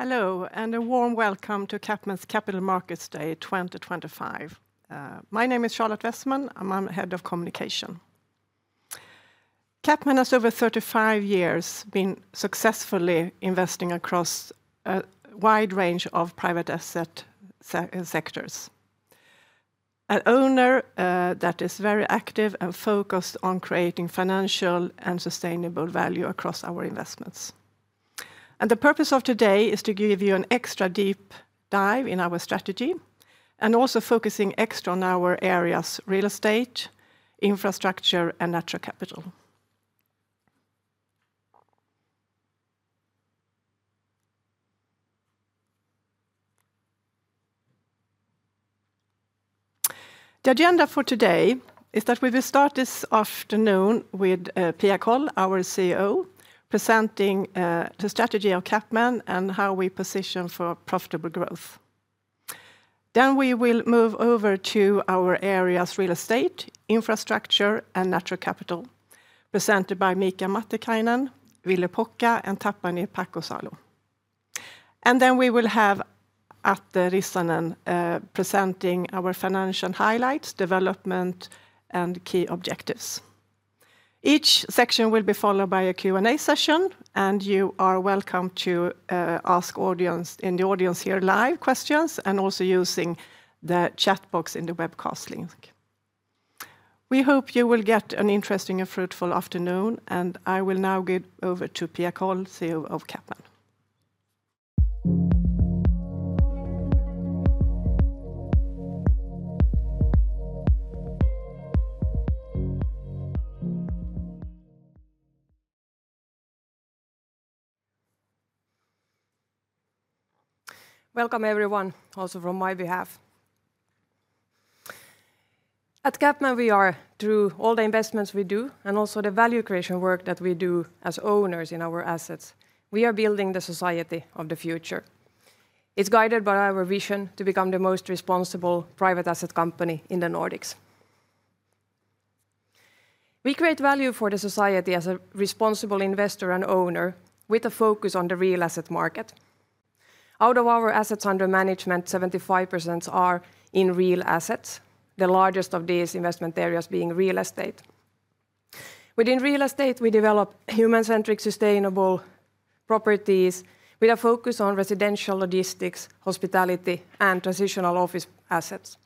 Hello, and a warm welcome to CapMan's Capital Markets Day 2025. My name is Charlotte Wessman, and I'm Head of Communication. CapMan has over 35 years been successfully investing across a wide range of private asset sectors. An owner that is very active and focused on creating financial and sustainable value across our investments. The purpose of today is to give you an extra deep dive in our strategy, and also focusing extra on our areas: Real Estate, Infrastructure, and Natural Capital. The agenda for today is that we will start this afternoon with Pia Kåll, our CEO, presenting the strategy of CapMan and how we position for profitable growth. We will move over to our areas: real estate, infrastructure, and natural capital, presented by Mika Matikainen, Ville Poukka, and Tapani Pahkosalo. We will have Atte Rissanen presenting our financial highlights, development, and key objectives. Each section will be followed by a Q&A session, and you are welcome to ask in the audience here live questions, and also using the chat box in the webcast link. We hope you will get an interesting and fruitful afternoon, and I will now give over to Pia Kåll, CEO of CapMan. Welcome, everyone, also from my behalf. At CapMan, we are, through all the investments we do and also the value creation work that we do as owners in our assets, building the society of the future. It is guided by our vision to become the most responsible private asset company in the Nordics. We create value for the society as a responsible investor and owner, with a focus on the real asset market. Out of our Assets Under Management, 75% are in real assets, the largest of these investment areas being real estate. Within real estate, we develop human-centric sustainable properties with a focus on residential, logistics, hospitality, and transitional office assets.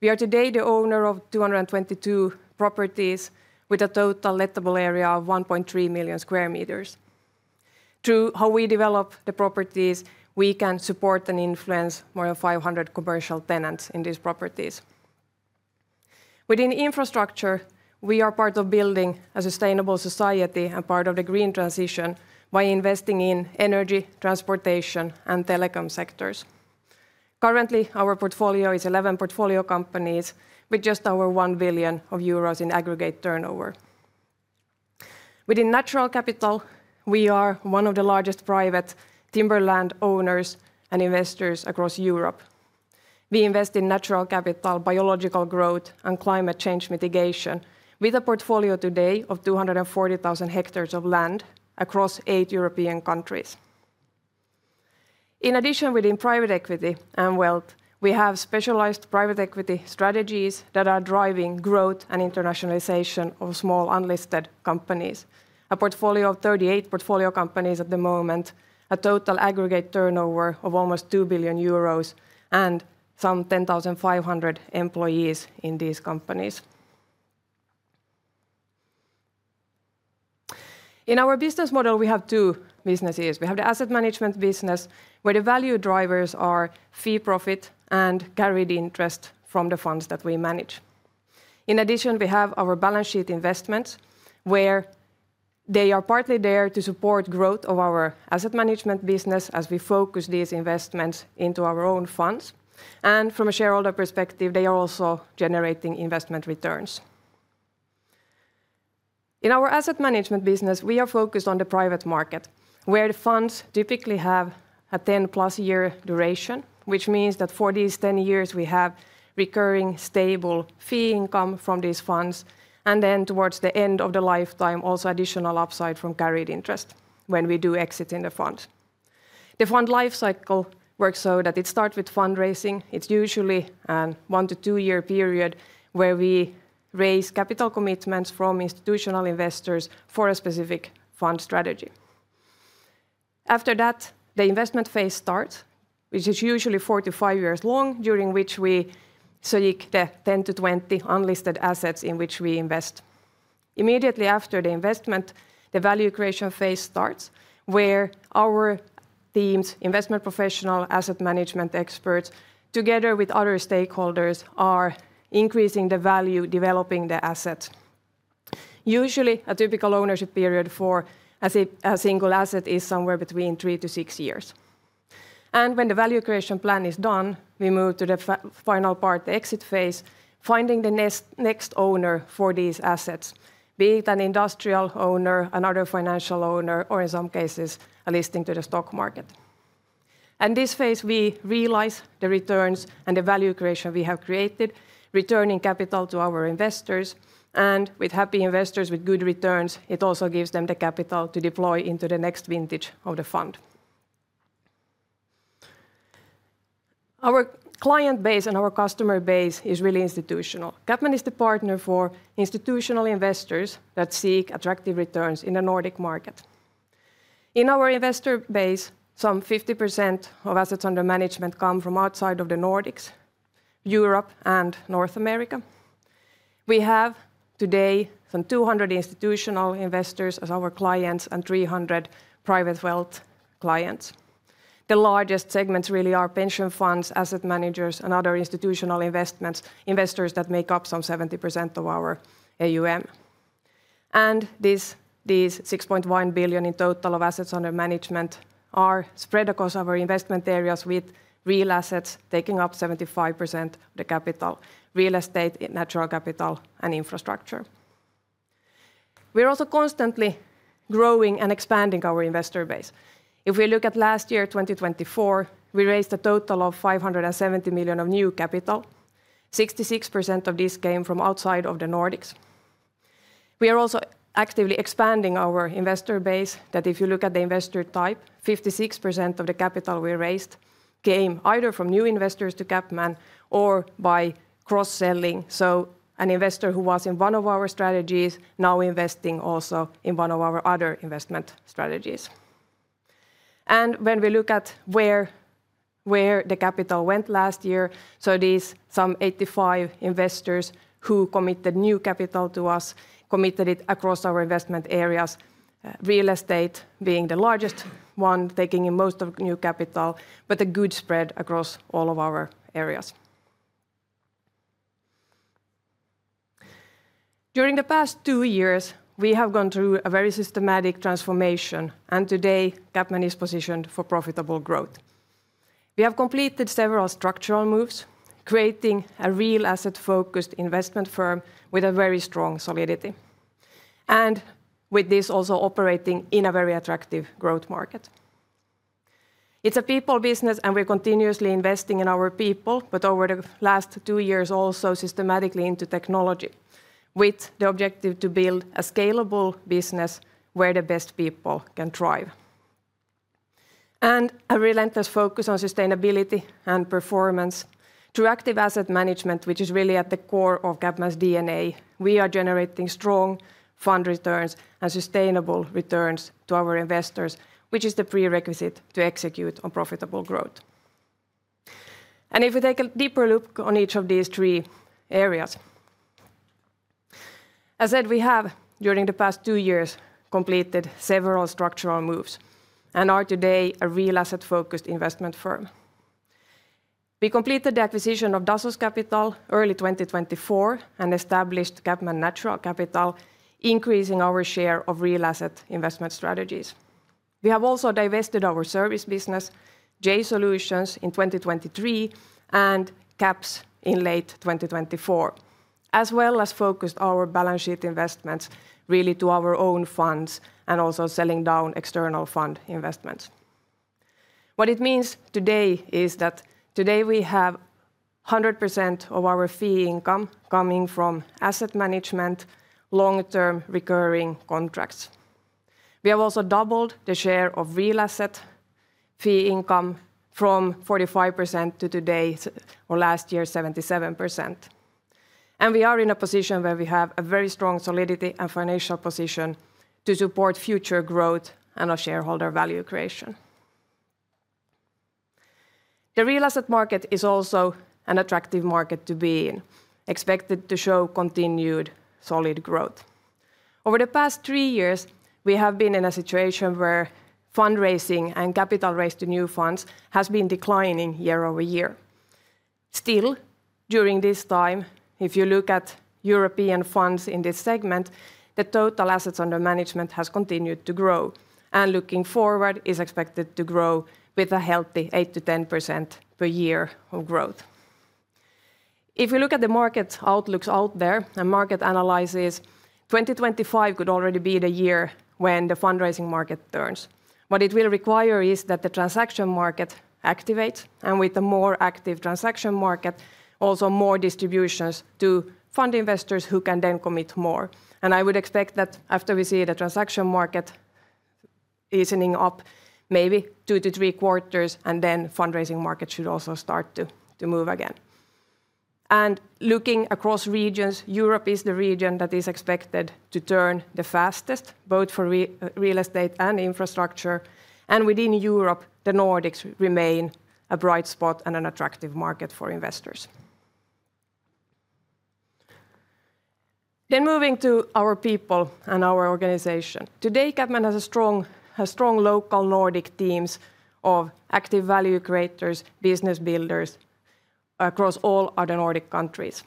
We are today the owner of 222 properties with a Total Lettable Area of 1.3 million sq m. Through how we develop the properties, we can support and influence more than 500 commercial tenants in these properties. Within Infrastructure, we are part of building a sustainable society and part of the green transition by investing in Energy, Transportation, and Telecom sectors. Currently, our portfolio is 11 portfolio companies with just over 1 billion euros in aggregate turnover. Within natural capital, we are one of the largest private timberland owners and investors across Europe. We invest in natural capital, biological growth, and climate change mitigation, with a portfolio today of 240,000 hectares of land across eight European countries. In addition, within private equity and wealth, we have specialized Private Equity Strategies that are driving growth and internationalization of small unlisted companies, a portfolio of 38 portfolio companies at the moment, a total aggregate turnover of almost 2 billion euros, and some 10,500 employees in these companies. In our business model, we have two businesses. We have the asset management business, where the value drivers are Fee Profit and Carried Interest from the funds that we manage. In addition, we have our balance sheet investments, where they are partly there to support the growth of our Asset Management Business as we focus these investments into our own funds. From a shareholder perspective, they are also generating investment returns. In our Asset Management Business, we are focused on the private market, where the funds typically have a 10-plus year duration, which means that for these 10 years, we have recurring stable fee income from these funds, and then towards the end of the lifetime, also additional upside from Carried Interest when we do exit in the fund. The fund lifecycle works so that it starts with fundraising. It's usually a one to two-year period where we raise capital commitments from institutional investors for a specific fund strategy. After that, the investment phase starts, which is usually four to five years long, during which we select the 10 to 20 unlisted assets in which we invest. Immediately after the investment, the Value Creation phase starts, where our teams, investment professionals, and asset management experts, together with other stakeholders, are increasing the value, developing the asset. Usually, a typical ownership period for a single asset is somewhere between three to six years. When the value creation plan is done, we move to the final part, the Exit Phase, finding the next owner for these assets, be it an industrial owner, another financial owner, or in some cases, a listing to the stock market. In this phase, we realize the returns and the value creation we have created, returning capital to our investors. With happy investors, with good returns, it also gives them the capital to deploy into the next vintage of the fund. Our client base and our customer base is really institutional. CapMan is the partner for Institutional Investors that seek attractive returns in the Nordic market. In our investor base, some 50% of Assets Under Management come from outside of the Nordics, Europe, and North America. We have today some 200 Institutional Investors as our clients and 300 private wealth clients. The largest segments really are Pension Funds, asset managers, and other institutional investments, investors that make up some 70% of our AUM. These 6.1 billion in total of Assets Under Management are spread across our investment areas, with real assets taking up 75% of the capital: Real Estate, Natural Capital, and Infrastructure. We are also constantly growing and expanding our investor base. If we look at last year, 2024, we raised a total of 570 million of new capital. 66% of this came from outside of the Nordics. We are also actively expanding our investor base that, if you look at the investor type, 56% of the capital we raised came either from new investors to CapMan or by cross-selling. An investor who was in one of our strategies is now investing also in one of our other investment strategies. When we look at where the capital went last year, these some 85 investors who committed new capital to us committed it across our investment areas, real estate being the largest one, taking in most of new capital, but a good spread across all of our areas. During the past two years, we have gone through a very systematic transformation, and today CapMan is positioned for profitable growth. We have completed several structural moves, creating a real asset-focused investment firm with a very strong solidity, and with this also operating in a very attractive growth market. It's a people business, and we're continuously investing in our people, but over the last two years also systematically into technology, with the objective to build a scalable business where the best people can thrive. A relentless focus on sustainability and performance through active asset management, which is really at the core of CapMan's DNA. We are generating strong fund returns and sustainable returns to our investors, which is the prerequisite to execute on profitable growth. If we take a deeper look on each of these three areas, as said, we have during the past two years completed several structural moves and are today a real asset-focused investment firm. We completed the acquisition of Dasos Capital early 2024 and established CapMan Natural Capital, increasing our share of real asset investment strategies. We have also divested our service business, JAY Solutions, in 2023 and CaPS in late 2024, as well as focused our balance sheet investments really to our own funds and also selling down external fund investments. What it means today is that today we have 100% of our fee income coming from asset management, long-term recurring contracts. We have also doubled the share of real asset fee income from 45% to today, or last year, 77%. We are in a position where we have a very strong solidity and financial position to support future growth and our shareholder value creation. The Real Assets market is also an attractive market to be in, expected to show continued solid growth. Over the past three years, we have been in a situation where fundraising and capital raised to new funds has been declining year over year. Still, during this time, if you look at European funds in this segment, the total Assets Under Management has continued to grow, and looking forward, is expected to grow with a healthy 8%-10% per year of growth. If we look at the market outlooks out there and market analyses, 2025 could already be the year when the fundraising market turns. What it will require is that the transaction market activates, and with a more active transaction market, also more distributions to fund investors who can then commit more. I would expect that after we see the transaction market easing up, maybe two to three quarters, and then the fundraising market should also start to move again. Looking across regions, Europe is the region that is expected to turn the fastest, both for Real Estate and Infrastructure. Within Europe, the Nordics remain a bright spot and an attractive market for investors. Moving to our people and our organization. Today, CapMan has a strong local Nordic team of active value creators, business builders across all other Nordic countries.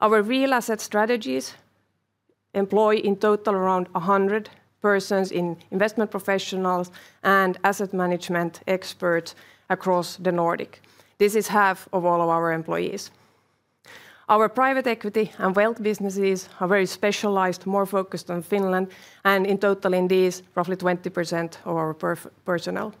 Our real asset strategies employ in total around 100 persons in investment professionals and asset management experts across the Nordic. This is half of all of our employees. Our private equity and wealth businesses are very specialized, more focused on Finland, and in total in these, roughly 20% of our personnel.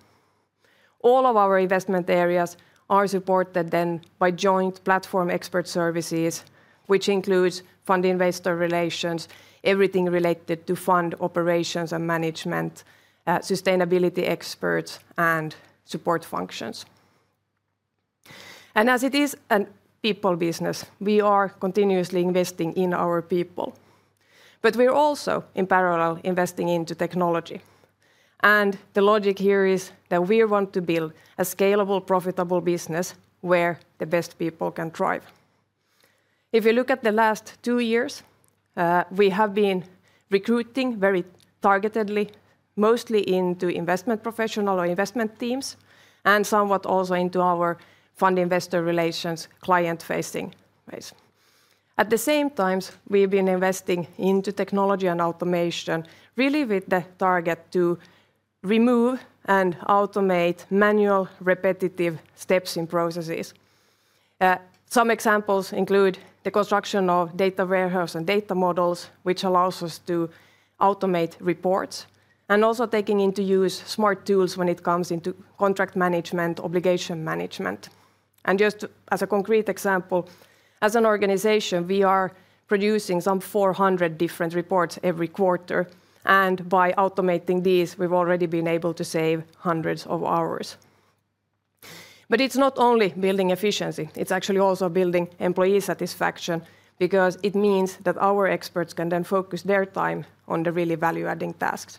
All of our investment areas are supported then by joint platform expert services, which includes fund investor relations, everything related to fund operations and management, sustainability experts, and support functions. As it is a people business, we are continuously investing in our people, but we are also in parallel investing into technology. The logic here is that we want to build a scalable, profitable business where the best people can thrive. If you look at the last two years, we have been recruiting very targetedly, mostly into investment professional or investment teams, and somewhat also into our fund investor relations client-facing base. At the same time, we have been investing into Technology and Automation, really with the target to remove and automate manual repetitive steps in processes. Some examples include the construction of Data Warehouses and Data Models, which allows us to automate reports, and also taking into use smart tools when it comes into contract management, obligation management. Just as a concrete example, as an organization, we are producing some 400 different reports every quarter, and by automating these, we've already been able to save hundreds of hours. It's not only building efficiency. It's actually also building employee satisfaction because it means that our experts can then focus their time on the really value-adding tasks.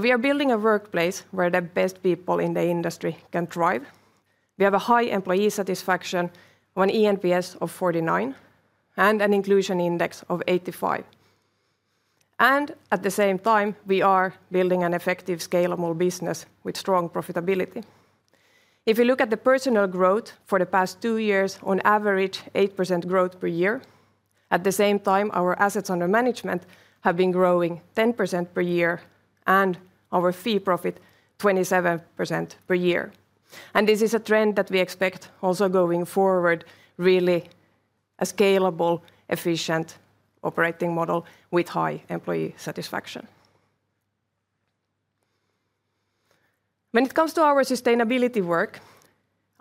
We are building a workplace where the best people in the industry can thrive. We have a high employee satisfaction with an eNPS of 49 and an inclusion index of 85. At the same time, we are building an effective, scalable business with strong profitability. If you look at the personal growth for the past two years, on average 8% growth per year. At the same time, our Assets Under Management have been growing 10% per year and our Fee Profit 27% per year. This is a trend that we expect also going forward, really a scalable, efficient operating model with high employee satisfaction. When it comes to our sustainability work,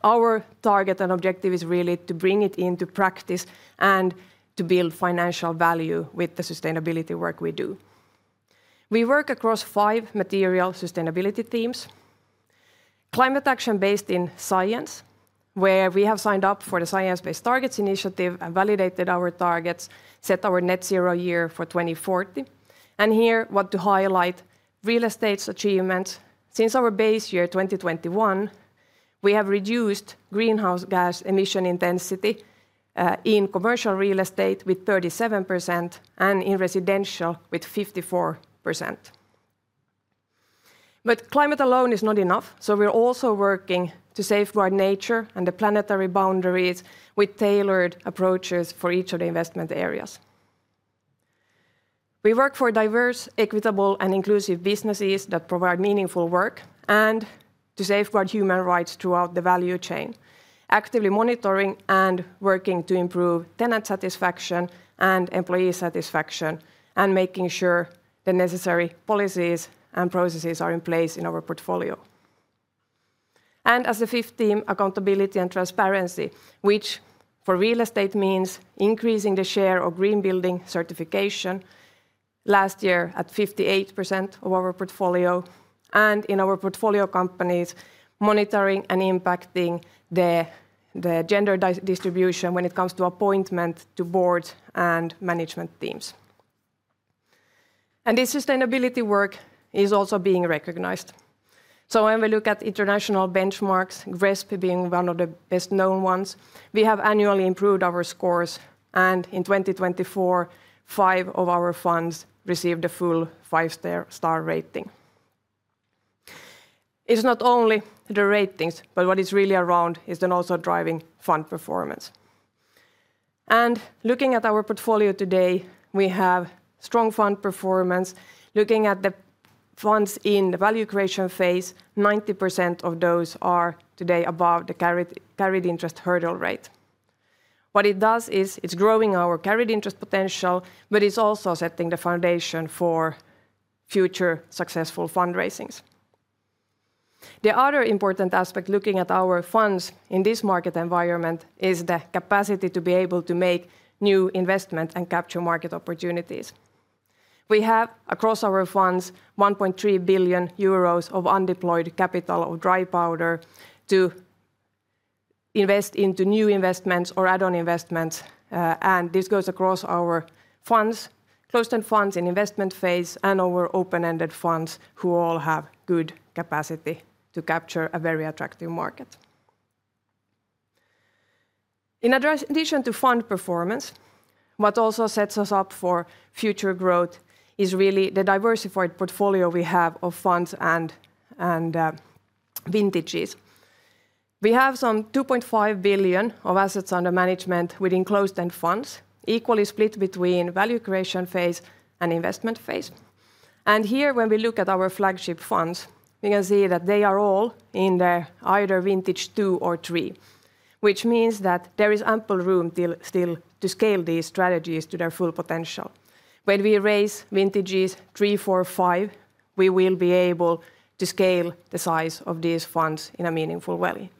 our target and objective is really to bring it into practice and to build financial value with the sustainability work we do. We work across five material sustainability themes: climate action based in science, where we have signed up for the Science Based Targets Initiative and validated our targets, set our net zero year for 2040. Here, what to highlight: Real Estate's achievements. Since our base year 2021, we have reduced greenhouse gas emission intensity in commercial real estate with 37% and in residential with 54%. Climate alone is not enough, so we are also working to safeguard nature and the planetary boundaries with tailored approaches for each of the investment areas. We work for diverse, equitable, and inclusive businesses that provide meaningful work and to safeguard human rights throughout the value chain, actively monitoring and working to improve tenant satisfaction and employee satisfaction, and making sure the necessary policies and processes are in place in our portfolio. As the fifth theme, accountability and transparency, which for Real Estate means increasing the share of green building certification, last year at 58% of our portfolio, and in our portfolio companies, monitoring and impacting the gender distribution when it comes to appointment to boards and management teams. This sustainability work is also being recognized. When we look at international benchmarks, GRESB being one of the best-known ones, we have annually improved our scores, and in 2024, five of our funds received a full five-star rating. It is not only the ratings, but what is really around is also driving fund performance. Looking at our portfolio today, we have strong fund performance. Looking at the funds in the Value Creation phase, 90% of those are today above the Carried Interest hurdle rate. What it does is it's growing our Carried Interest potential, but it's also setting the foundation for future successful fundraisings. The other important aspect looking at our funds in this market environment is the capacity to be able to make new investment and capture market opportunities. We have across our funds 1.3 billion euros of undeployed capital or dry powder to invest into new investments or add-on investments, and this goes across our funds, closed-end funds in investment phase, and our open-ended funds who all have good capacity to capture a very attractive market. In addition to fund performance, what also sets us up for future growth is really the diversified portfolio we have of funds and vintages. We have some 2.5 billion of Assets Under Management within closed-end funds, equally split between value creation phase and investment phase. Here, when we look at our flagship funds, we can see that they are all in their either vintage two or three, which means that there is ample room still to scale these strategies to their full potential. When we raise vintages three, four, five, we will be able to scale the size of these funds in a meaningful way.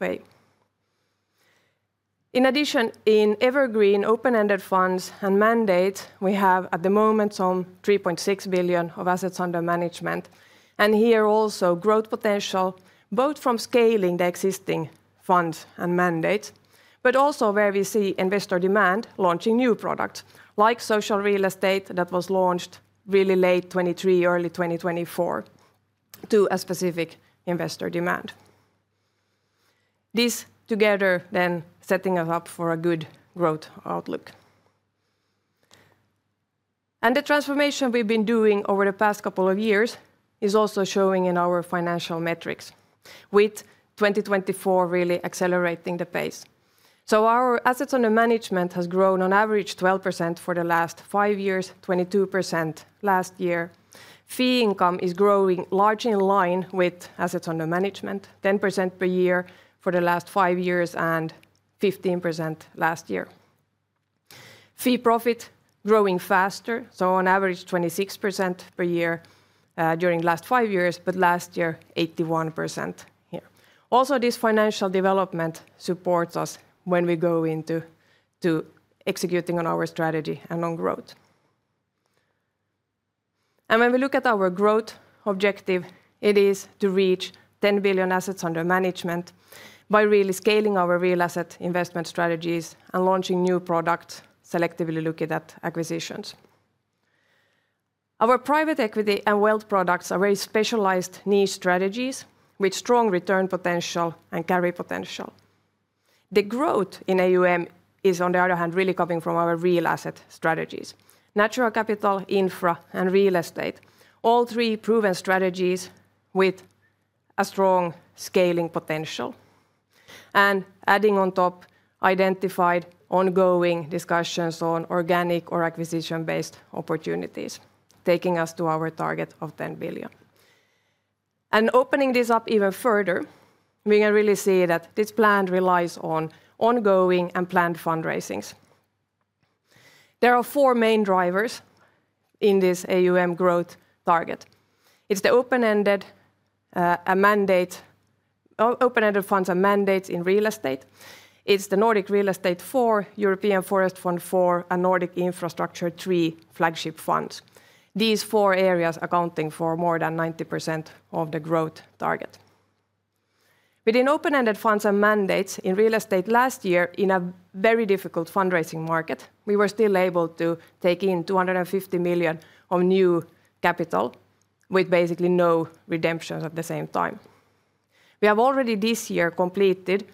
In addition, in evergreen open-ended funds and mandates, we have at the moment some 3.6 billion of Assets Under Management, and here also growth potential both from scaling the existing funds and mandates, but also where we see investor demand launching new products like social real estate that was launched really late 2023, early 2024, to a specific investor demand. This together then setting us up for a good growth outlook. The transformation we have been doing over the past couple of years is also showing in our financial metrics, with 2024 really accelerating the pace. Our Assets Under Management has grown on average 12% for the last five years, 22% last year. Fee income is growing largely in line with Assets Under Management, 10% per year for the last five years and 15% last year. Fee Profit growing faster, so on average 26% per year during the last five years, but last year 81% here. Also, this financial development supports us when we go into executing on our strategy and on growth. When we look at our growth objective, it is to reach 10 billion Assets Under Management by really scaling our real asset investment strategies and launching new products, selectively looking at acquisitions. Our private equity and wealth products are very specialized niche strategies with strong return potential and carry potential. The growth in AUM is, on the other hand, really coming from our real asset strategies: Natural Capital, Infra, and Real Estate, all three proven strategies with a strong scaling potential. Adding on top, identified ongoing discussions on organic or acquisition-based opportunities, taking us to our target of 10 billion. Opening this up even further, we can really see that this plan relies on ongoing and planned fundraisings. There are four main drivers in this AUM growth target. It is the open-ended funds and mandates in Real Estate. It is the Nordic Real Estate IV, European Forest Fund IV, and Nordic Infrastructure III flagship funds. These four areas are accounting for more than 90% of the growth target. Within open-ended funds and mandates in real estate last year, in a very difficult fundraising market, we were still able to take in 250 million of new capital with basically no redemptions at the same time. We have already this year completed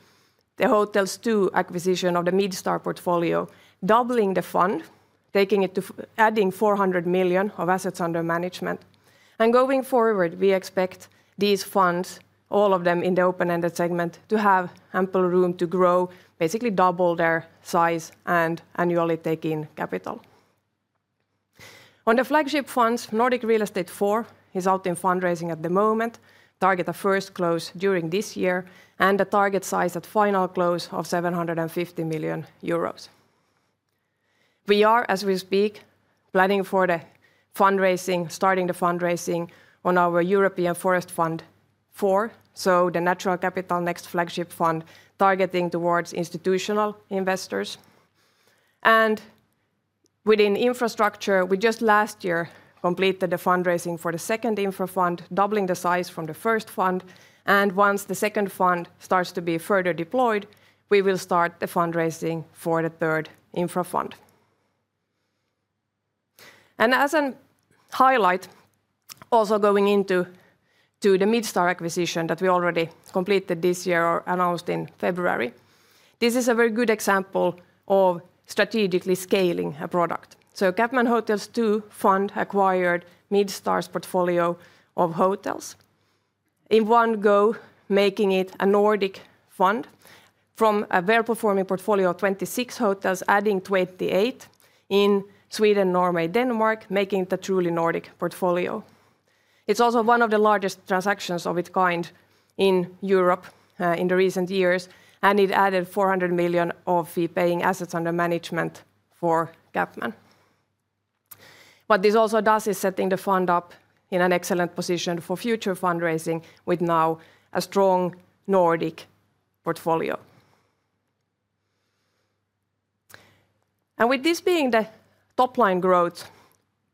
the Hotel II acquisition of the Midstar portfolio, doubling the fund, adding 400 million of Assets Under Management. Going forward, we expect these funds, all of them in the open-ended segment, to have ample room to grow, basically double their size and annually take in capital. On the flagship funds, Nordic Real Estate IV is out in fundraising at the moment, target a first close during this year, and a target size at final close of 750 million euros. We are, as we speak, planning for the fundraising, starting the fundraising on our European Forest Fund IV, so the Natural Capital next flagship fund targeting towards institutional investors. Within infrastructure, we just last year completed the fundraising for the second infra fund, doubling the size from the first fund. Once the second fund starts to be further deployed, we will start the fundraising for the third infra fund. As a highlight, also going into the Midstar acquisition that we already completed this year or announced in February, this is a very good example of strategically scaling a product. CapMan Hotel II fund acquired Midstar's portfolio of hotels in one go, making it a Nordic fund from a well-performing portfolio of 26 hotels, adding 28 in Sweden, Norway, Denmark, making it a truly Nordic portfolio. It's also one of the largest transactions of its kind in Europe in the recent years, and it added 400 million of fee-paying Assets Under Management for CapMan. What this also does is setting the fund up in an excellent position for future fundraising with now a strong Nordic portfolio. With this being the top-line growth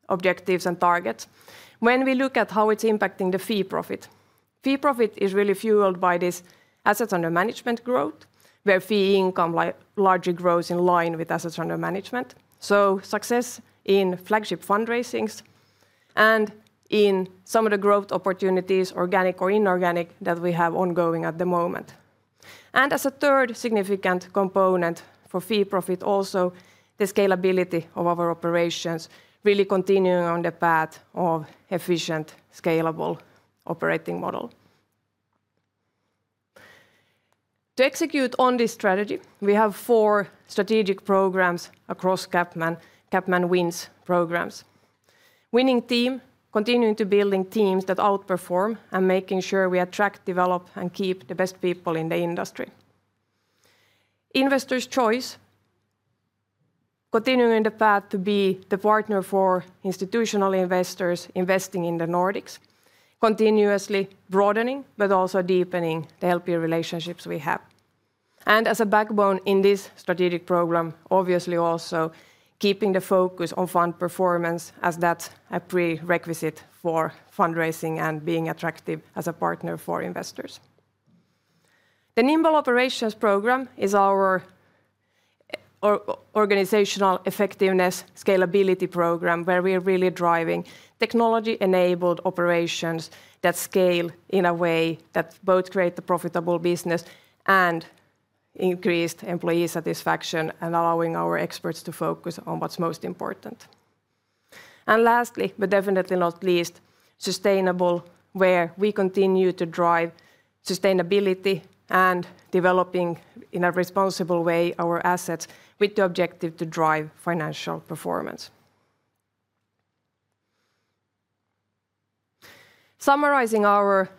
objectives and targets, when we look at how it's impacting the Fee Profit, Fee Profit is really fueled by this Assets Under Management growth, where fee income largely grows in line with Assets Under Management. Success in flagship fundraisings and in some of the growth opportunities, organic or inorganic, that we have ongoing at the moment. As a third significant component for Fee Profit, also the scalability of our operations really continuing on the path of efficient, scalable operating model. To execute on this strategy, we have four strategic programs across CapMan, CapMan Wins programs. Winning team, continuing to building teams that outperform and making sure we attract, develop, and keep the best people in the industry. Investors' choice, continuing the path to be the partner for institutional investors investing in the Nordics, continuously broadening, but also deepening the healthy relationships we have. As a backbone in this strategic program, obviously also keeping the focus on fund performance as that's a prerequisite for fundraising and being attractive as a partner for investors. The Nimble Operations Program is our organizational effectiveness scalability program, where we are really driving technology-enabled operations that scale in a way that both create a profitable business and increase employee satisfaction and allowing our experts to focus on what's most important. Lastly, but definitely not least, sustainable, where we continue to drive sustainability and developing in a responsible way our assets with the objective to drive financial performance. Summarizing our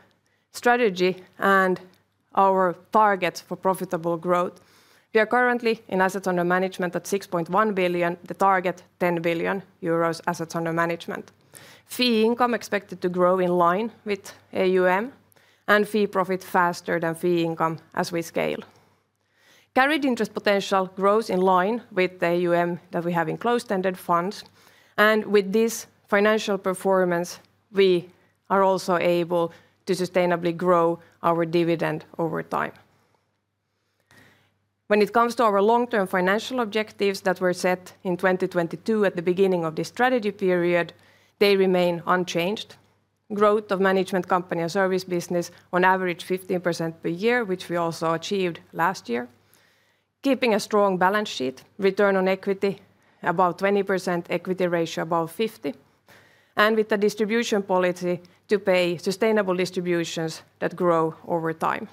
strategy and our targets for profitable growth, we are currently in Assets Under Management at 6.1 billion, the target 10 billion euros Assets Under Management. Fee income expected to grow in line with AUM and Fee Profit faster than fee income as we scale. Carried Interest potential grows in line with the AUM that we have in closed-ended funds, and with this financial performance, we are also able to sustainably grow our dividend over time. When it comes to our long-term financial objectives that were set in 2022 at the beginning of this strategy period, they remain unchanged. Growth of management company and service business on average 15% per year, which we also achieved last year. Keeping a strong balance sheet, return on equity about 20%, equity ratio about 50, and with the distribution policy to pay sustainable distributions that grow over time.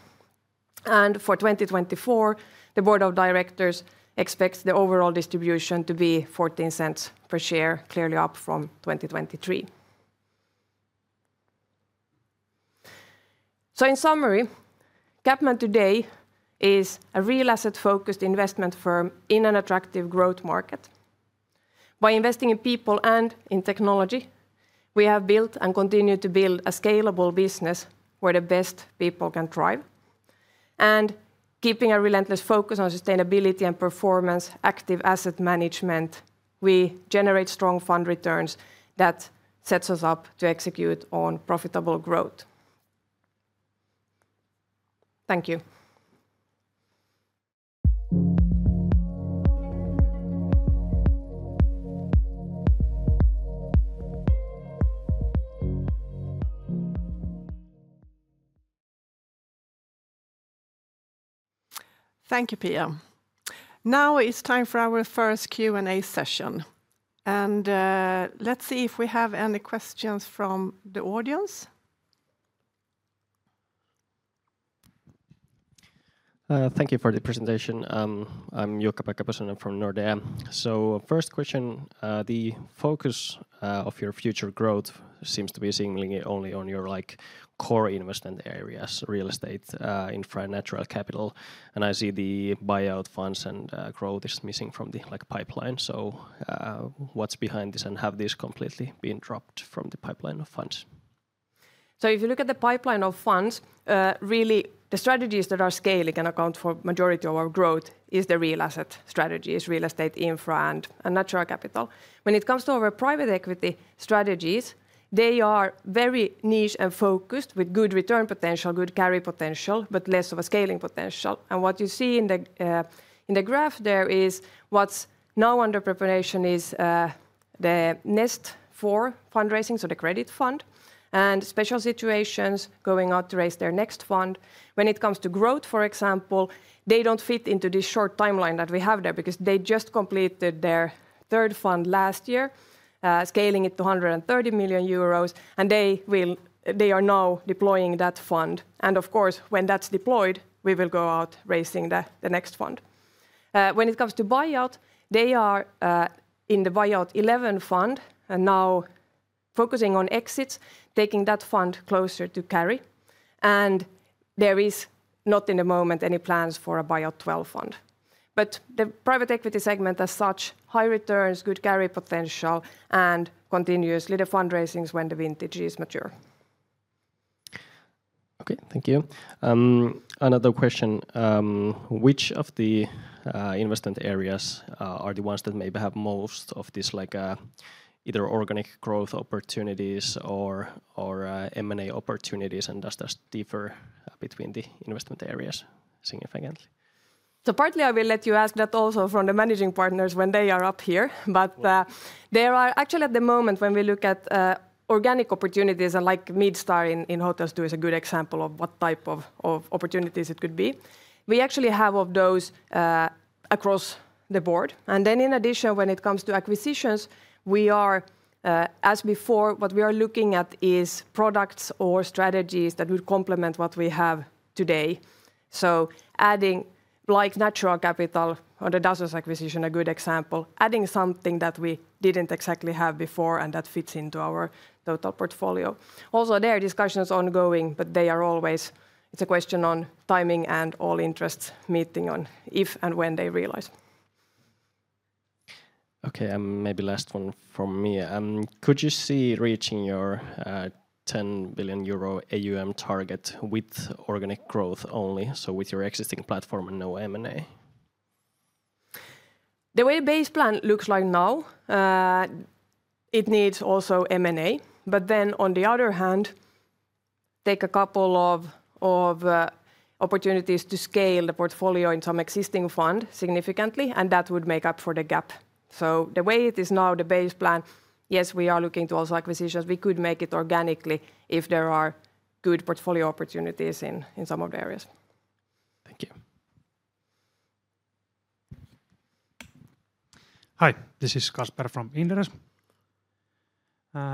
For 2024, the board of directors expects the overall distribution to be 0.14 per share, clearly up from 2023. In summary, CapMan today is a real asset-focused investment firm in an attractive growth market. By investing in people and in technology, we have built and continue to build a scalable business where the best people can thrive. Keeping a relentless focus on sustainability and performance, active asset management, we generate strong fund returns that sets us up to execute on profitable growth. Thank you. Thank you, Pia. Now it's time for our first Q&A session. Let's see if we have any questions from the audience. Thank you for the presentation. I'm Jukka-Pekka Pesonen, and I'm from Nordea. The first question, the focus of your future growth seems to be seemingly only on your core investment areas, real estate, infra, and natural capital. I see the buyout funds and growth is missing from the pipeline. What's behind this and have this completely been dropped from the pipeline of funds? If you look at the pipeline of funds, really the strategies that are scaling and account for the majority of our growth is the Real Asset strategies, Real Estate, Infra, and Natural Capital. When it comes to our private equity strategies, they are very niche and focused with good return potential, good carry potential, but less of a scaling potential. What you see in the graph there is what's now under preparation is the Nest IV fundraising, so the credit fund, and special situations going out to raise their next fund. When it comes to growth, for example, they do not fit into this short timeline that we have there because they just completed their third fund last year, scaling it to 130 million euros, and they are now deploying that fund. Of course, when that is deployed, we will go out raising the next fund. When it comes to buyout, they are in the Buyout XI fund and now focusing on exits, taking that fund closer to carry. There is not in the moment any plans for a Buyout XII fund. The private equity segment as such, high returns, good carry potential, and continuously the fundraisings when the vintage is mature. Okay, thank you. Another question, which of the investment areas are the ones that maybe have most of these either organic growth opportunities or M&A opportunities, and does that differ between the investment areas significantly? Partly I will let you ask that also from the managing partners when they are up here. There are actually at the moment when we look at organic opportunities, and like Midstar in Hotel II is a good example of what type of opportunities it could be. We actually have of those across the board. In addition, when it comes to acquisitions, we are, as before, what we are looking at is products or strategies that would complement what we have today. Adding like Natural Capital or the Dasos acquisition, a good example, adding something that we did not exactly have before and that fits into our total portfolio. Also there are discussions ongoing, but they are always, it is a question on timing and all interests meeting on if and when they realize. Okay, and maybe last one from me. Could you see reaching your 10 billion euro AUM target with organic growth only, so with your existing platform and no M&A? The way base plan looks like now, it needs also M&A. On the other hand, take a couple of opportunities to scale the portfolio in some existing fund significantly, and that would make up for the gap. The way it is now, the base plan, yes, we are looking to also acquisitions. We could make it organically if there are good portfolio opportunities in some of the areas. Thank you. Hi, this is Kasper from Inderes.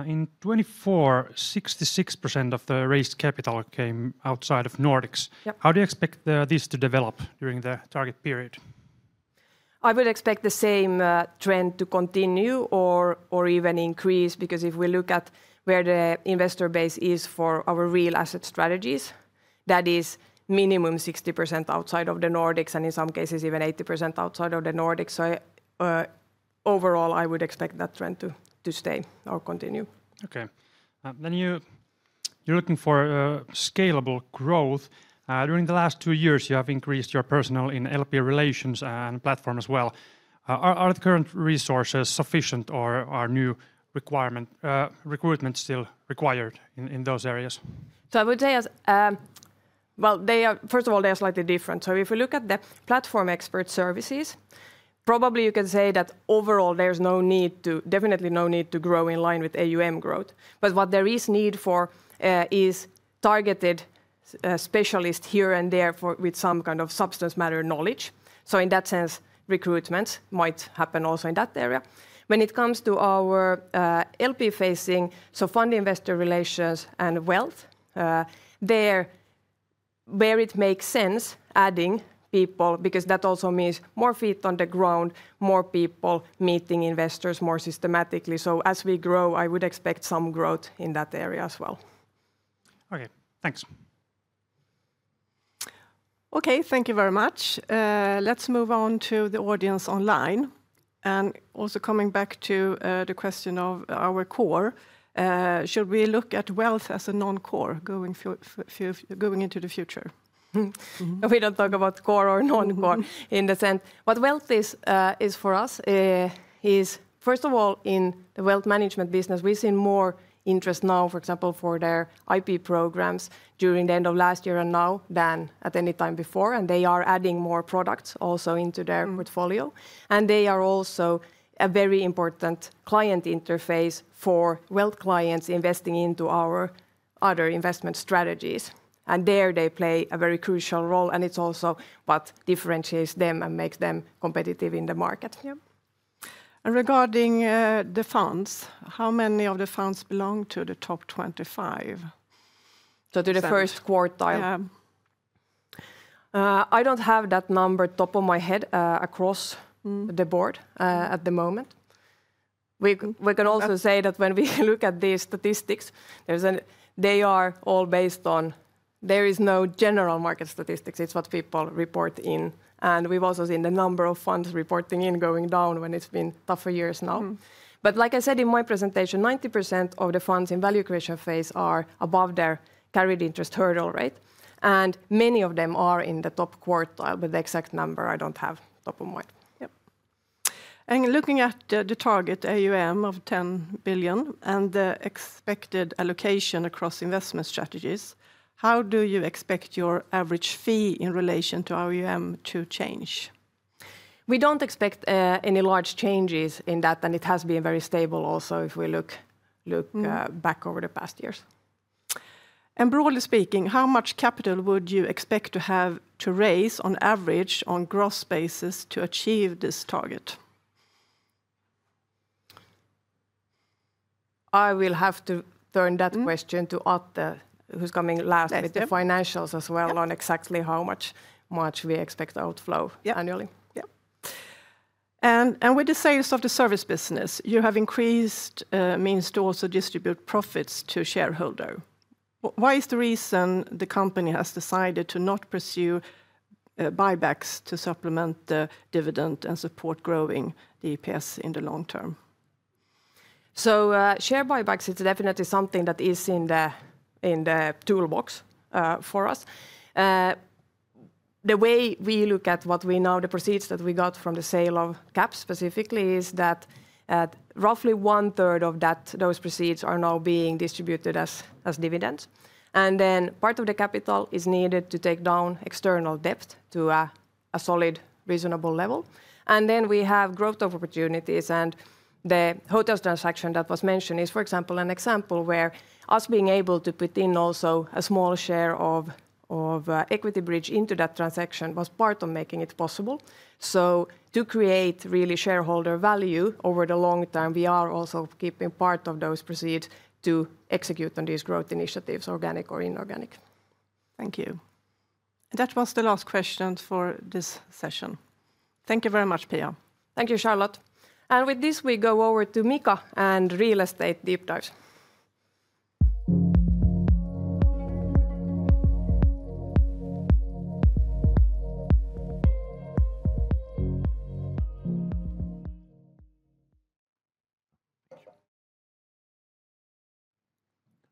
In 2024, 66% of the raised capital came outside of Nordics. How do you expect this to develop during the target period? I would expect the same trend to continue or even increase because if we look at where the investor base is for our Real Asset Strategies, that is minimum 60% outside of the Nordics and in some cases even 80% outside of the Nordics. Overall, I would expect that trend to stay or continue. Okay. You are looking for scalable growth. During the last two years, you have increased your personnel in LP relations and platform as well. Are the current resources sufficient or are new requirements, recruitment still required in those areas? I would say, first of all, they are slightly different. If we look at the platform expert services, probably you can say that overall there is no need to, definitely no need to grow in line with AUM growth. What there is need for is targeted specialists here and there with some kind of substance matter knowledge. In that sense, recruitments might happen also in that area. When it comes to our LP facing, so fund investor relations and wealth, there where it makes sense adding people because that also means more feet on the ground, more people meeting investors more systematically. As we grow, I would expect some growth in that area as well. Okay, thanks. Okay, thank you very much. Let's move on to the audience online. Also coming back to the question of our core, should we look at Wealth as a non-core going into the future? We do not talk about core or non-core in the sense. What Wealth is for us is, first of all, in the wealth management business, we've seen more interest now, for example, for their IP programs during the end of last year and now than at any time before. They are adding more products also into their portfolio. They are also a very important client interface for wealth clients investing into our other investment strategies. There they play a very crucial role. It is also what differentiates them and makes them competitive in the market. Regarding the funds, how many of the funds belong to the top 25? To the first quartile? I don't have that number top of my head across the board at the moment. We can also say that when we look at these statistics, they are all based on, there is no general market statistics. It's what people report in. We have also seen the number of funds reporting in going down when it has been tougher years now. Like I said in my presentation, 90% of the funds in value creation phase are above their Carried Interest hurdle rate. Many of them are in the top quartile, but the exact number I do not have top of mind. Looking at the target AUM of 10 billion and the expected allocation across investment strategies, how do you expect your average fee in relation to AUM to change? We do not expect any large changes in that, and it has been very stable also if we look back over the past years. Broadly speaking, how much capital would you expect to have to raise on average on gross basis to achieve this target? I will have to turn that question to Atte, who's coming last with the financials as well on exactly how much we expect outflow annually. With the sales of the Service business, you have increased means to also distribute profits to shareholders. Why is the reason the company has decided to not pursue buybacks to supplement the dividend and support growing the EPS in the long term? Share buybacks, it's definitely something that is in the toolbox for us. The way we look at what we know, the proceeds that we got from the sale of CaPS specifically is that roughly one third of those proceeds are now being distributed as dividends. Part of the capital is needed to take down external debt to a solid, reasonable level. We have growth of opportunities. The hotels transaction that was mentioned is, for example, an example where us being able to put in also a small share of equity bridge into that transaction was part of making it possible. To create really shareholder value over the long term, we are also keeping part of those proceeds to execute on these growth initiatives, organic or inorganic. Thank you. That was the last question for this session. Thank you very much, Pia. Thank you, Charlotte. With this, we go over to Mika and Real Estate deep dives.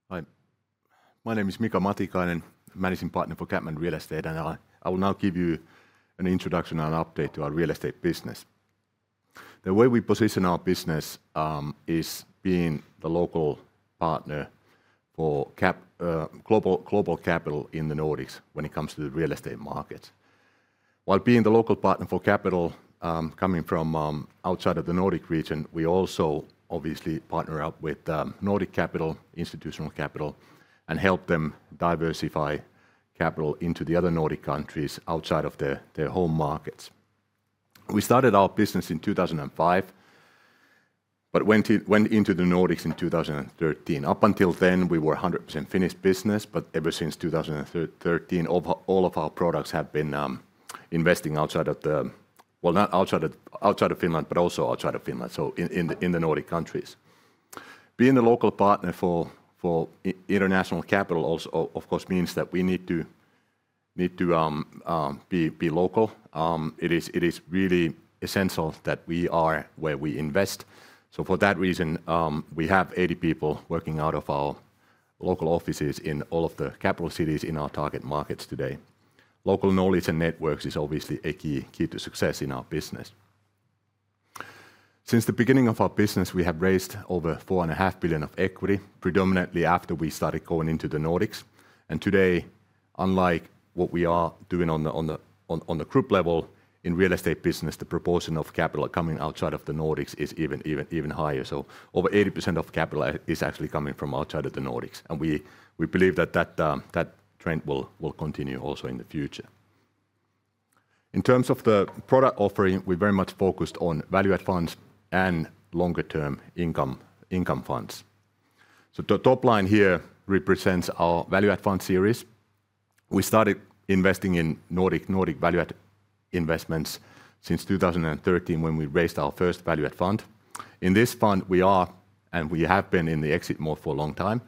Hi, my name is Mika Matikainen, Managing Partner for CapMan Real Estate, and I will now give you an introduction and update to our Real Estate business. The way we position our business is being the local partner for Global Capital in the Nordics when it comes to the real estate markets. While being the local partner for capital coming from outside of the Nordic region, we also obviously partner up with Nordic capital, institutional capital, and help them diversify capital into the other Nordic countries outside of their home markets. We started our business in 2005, but went into the Nordics in 2013. Up until then, we were a 100% Finnish business, but ever since 2013, all of our products have been investing outside of the, you know, not outside of Finland, but also outside of Finland, so in the Nordic countries. Being the local partner for international capital also, of course, means that we need to be local. It is really essential that we are where we invest. For that reason, we have 80 people working out of our local offices in all of the capital cities in our target markets today. Local knowledge and networks is obviously a key to success in our business. Since the beginning of our business, we have raised over 4.5 billion of equity, predominantly after we started going into the Nordics. Today, unlike what we are doing on the group level in Real Estate business, the proportion of capital coming outside of the Nordics is even higher. Over 80% of capital is actually coming from outside of the Nordics. We believe that that trend will continue also in the future. In terms of the product offering, we're very much focused on value-add funds and longer-term income funds. The top line here represents our value-add fund series. We started investing in Nordic value-add investments since 2013 when we raised our first value-add fund. In this fund, we are and we have been in the exit mode for a long time.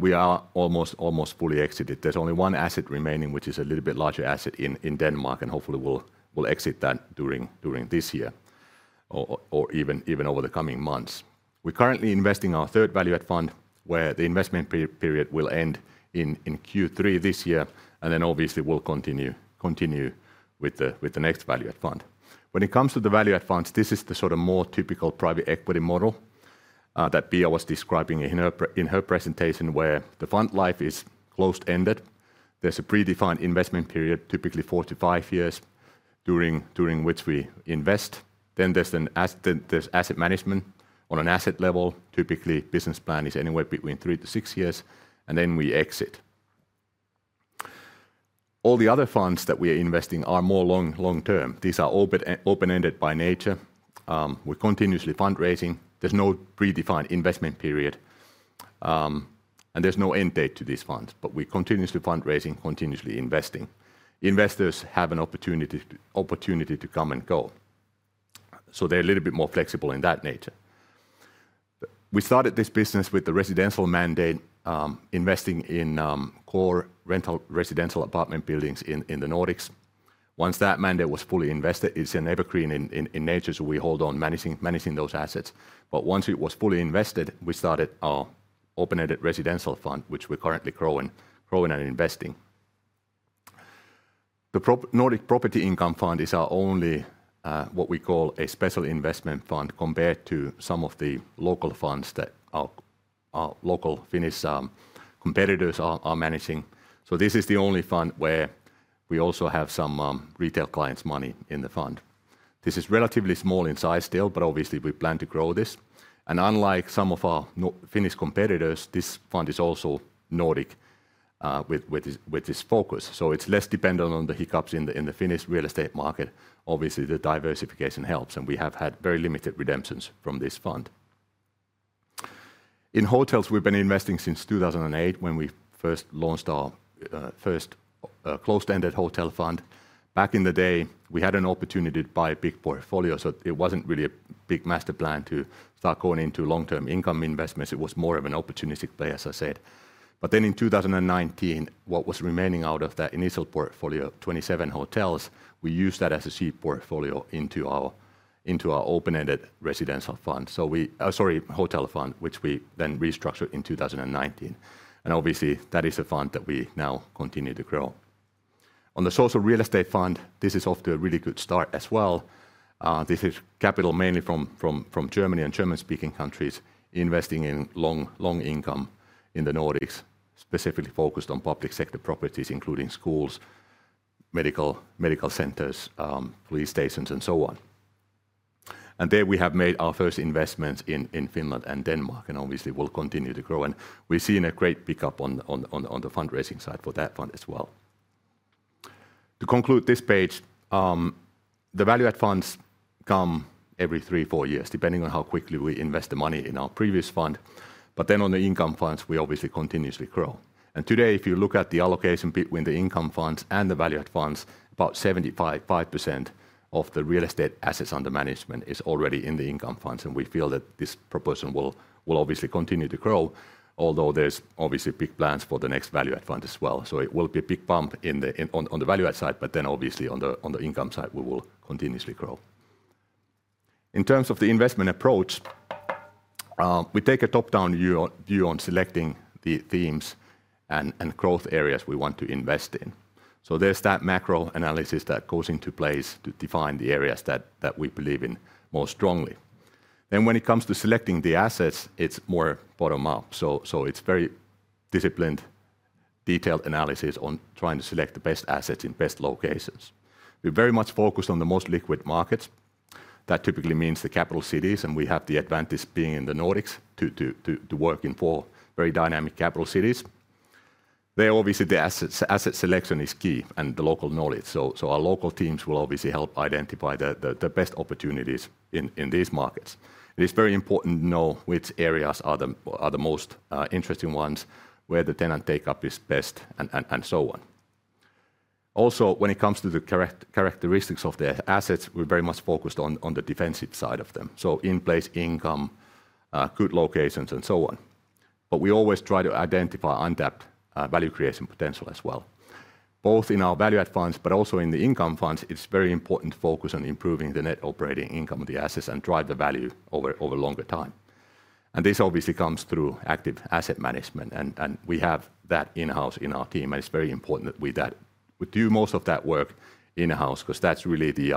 We are almost fully exited. There is only one asset remaining, which is a little bit larger asset in Denmark, and hopefully we will exit that during this year or even over the coming months. We are currently investing our third value-add fund where the investment period will end in Q3 this year, and obviously we will continue with the next value-add fund. When it comes to the value-add funds, this is the sort of more typical private equity model that Pia was describing in her presentation, where the fund life is close-ended. There is a predefined investment period, typically four to five years, during which we invest. Then there is Asset Management on an asset level. Typically, business plan is anywhere between three to six years, and then we exit. All the other funds that we are investing are more long-term. These are open-ended by nature. We are continuously fundraising. There's no predefined investment period. There's no end date to these funds, but we're continuously fundraising, continuously investing. Investors have an opportunity to come and go. They're a little bit more flexible in that nature. We started this business with the residential mandate, investing in core rental residential apartment buildings in the Nordics. Once that mandate was fully invested, it's an evergreen in nature, so we hold on managing those assets. Once it was fully invested, we started our open-ended residential fund, which we're currently growing and investing. The Nordic Property Income Fund is our only what we call a Special Investment Fund compared to some of the local funds that our local Finnish competitors are managing. This is the only fund where we also have some retail clients' money in the fund. This is relatively small in size still, but obviously we plan to grow this. Unlike some of our Finnish competitors, this fund is also Nordic with this focus. It is less dependent on the hiccups in the Finnish real estate market. Obviously, the diversification helps, and we have had very limited redemptions from this fund. In hotels, we've been investing since 2008 when we first launched our first closed-ended hotel fund. Back in the day, we had an opportunity to buy a big portfolio, so it was not really a big master plan to start going into long-term income investments. It was more of an opportunistic play, as I said. In 2019, what was remaining out of that initial portfolio, 27 hotels, we used that as a seed portfolio into our open-ended residential fund. Sorry, hotel fund, which we then restructured in 2019. Obviously, that is a fund that we now continue to grow. On the Social Real Estate Fund, this is off to a really good start as well. This is capital mainly from Germany and German-speaking countries investing in long income in the Nordics, specifically focused on public sector properties, including schools, medical centers, police stations, and so on. There we have made our first investments in Finland and Denmark, and obviously we will continue to grow. We have seen a great pickup on the fundraising side for that fund as well. To conclude this page, the value-add funds come every three or four years, depending on how quickly we invest the money in our previous fund. On the Income funds, we obviously continuously grow. Today, if you look at the allocation between the income funds and the value-add funds, about 75% of the real estate Assets Under Management is already in the income funds. We feel that this proposition will obviously continue to grow, although there are obviously big plans for the next value-add fund as well. It will be a big bump on the value-add side, but then obviously on the income side, we will continuously grow. In terms of the investment approach, we take a top-down view on selecting the themes and growth areas we want to invest in. There is that macro analysis that goes into place to define the areas that we believe in more strongly. When it comes to selecting the assets, it is more bottom-up. It is very disciplined, detailed analysis on trying to select the best assets in best locations. We're very much focused on the most liquid markets. That typically means the capital cities, and we have the advantage being in the Nordics to work in four very dynamic capital cities. There, obviously, the asset selection is key and the local knowledge. Our local teams will obviously help identify the best opportunities in these markets. It is very important to know which areas are the most interesting ones, where the tenant takeup is best, and so on. Also, when it comes to the characteristics of the assets, we're very much focused on the defensive side of them. In-place income, good locations, and so on. We always try to identify untapped value creation potential as well. Both in our value-add funds, but also in the income funds, it's very important to focus on improving the net operating income of the assets and drive the value over a longer time. This obviously comes through active asset management, and we have that in-house in our team, and it's very important that we do most of that work in-house because that's really the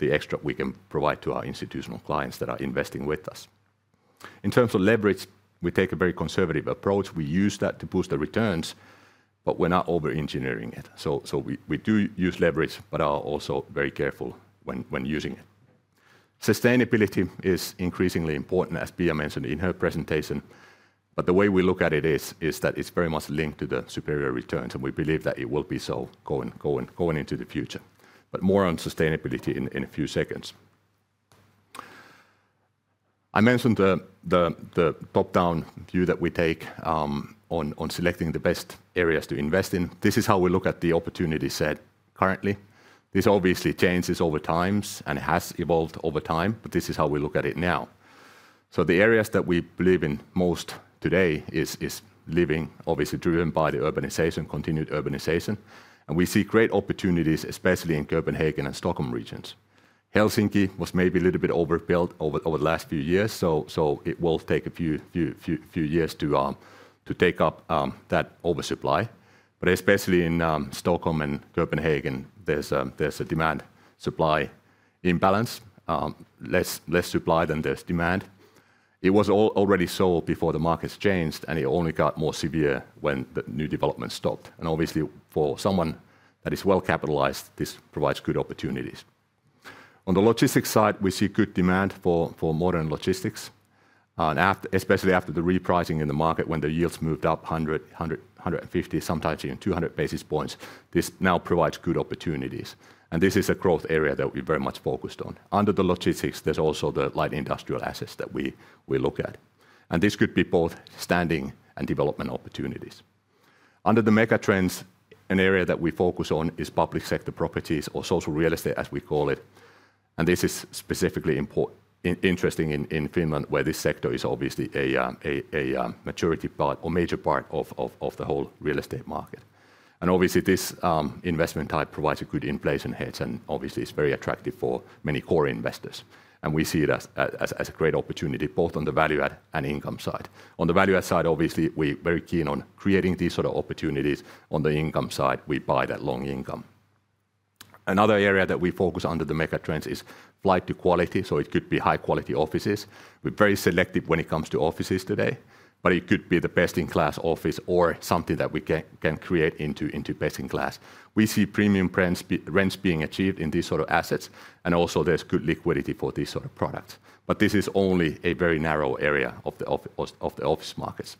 extra we can provide to our institutional clients that are investing with us. In terms of leverage, we take a very conservative approach. We use that to boost the returns, but we're not over-engineering it. We do use leverage, but are also very careful when using it. Sustainability is increasingly important, as Pia mentioned in her presentation. The way we look at it is that it's very much linked to the superior returns, and we believe that it will be so going into the future. More on sustainability in a few seconds. I mentioned the top-down view that we take on selecting the best areas to invest in. This is how we look at the opportunity set currently. This obviously changes over time and has evolved over time, but this is how we look at it now. The areas that we believe in most today is living, obviously driven by the urbanization, continued urbanization. We see great opportunities, especially in Copenhagen and Stockholm regions. Helsinki was maybe a little bit overbuilt over the last few years, so it will take a few years to take up that oversupply. Especially in Stockholm and Copenhagen, there's a demand-supply imbalance, less supply than there's demand. It was already so before the markets changed, and it only got more severe when the new development stopped. Obviously, for someone that is well capitalized, this provides good opportunities. On the logistics side, we see good demand for modern logistics, especially after the repricing in the market when the yields moved up 100-150, sometimes even 200 basis points. This now provides good opportunities. This is a growth area that we're very much focused on. Under the logistics, there's also the light industrial assets that we look at. This could be both standing and development opportunities. Under the Megatrends, an area that we focus on is public sector properties or Social Real Estate, as we call it. This is specifically interesting in Finland, where this sector is obviously a major part of the whole real estate market. Obviously, this investment type provides a good inflation hedge, and obviously, it's very attractive for many core investors. We see it as a great opportunity both on the value-add and income side. On the value-add side, obviously, we're very keen on creating these sort of opportunities. On the income side, we buy that long income. Another area that we focus under the Megatrends is flight to quality. It could be high-quality offices. We're very selective when it comes to offices today, but it could be the best-in-class office or something that we can create into best-in-class. We see premium rents being achieved in these sort of assets, and also there's good liquidity for these sort of products. This is only a very narrow area of the office markets.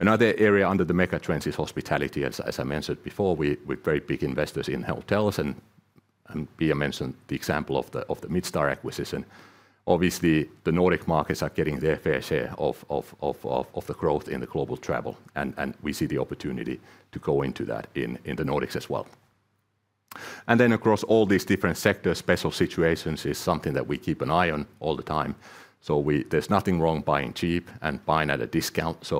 Another area under the megatrends is hospitality, as I mentioned before. We're very big investors in hotels, and Pia mentioned the example of the Midstar acquisition. Obviously, the Nordic markets are getting their fair share of the growth in the global travel, and we see the opportunity to go into that in the Nordics as well. Across all these different sectors, special situations is something that we keep an eye on all the time. There's nothing wrong buying cheap and buying at a discount.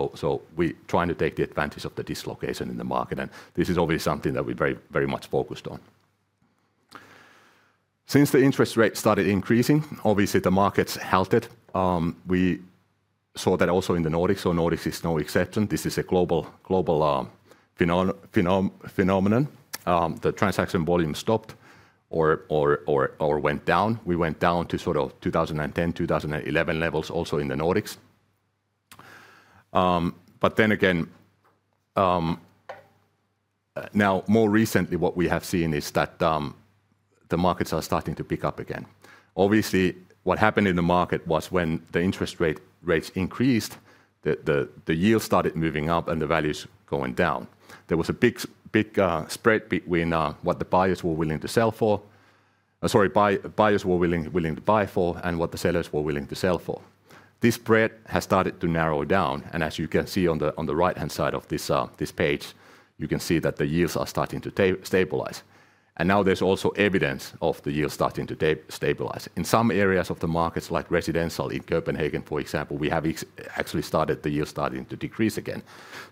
We're trying to take the advantage of the dislocation in the market, and this is obviously something that we're very much focused on. Since the interest rate started increasing, obviously, the markets halted. We saw that also in the Nordics, so Nordics is no exception. This is a global phenomenon. The transaction volume stopped or went down. We went down to sort of 2010, 2011 levels also in the Nordics. Then again, now more recently, what we have seen is that the markets are starting to pick up again. Obviously, what happened in the market was when the interest rates increased, the yield started moving up and the values going down. There was a big spread between what the buyers were willing to buy for, and what the sellers were willing to sell for. This spread has started to narrow down, and as you can see on the right-hand side of this page, you can see that the yields are starting to stabilize. Now there is also evidence of the yield starting to stabilize. In some areas of the markets, like residential in Copenhagen, for example, we have actually started the yield starting to decrease again.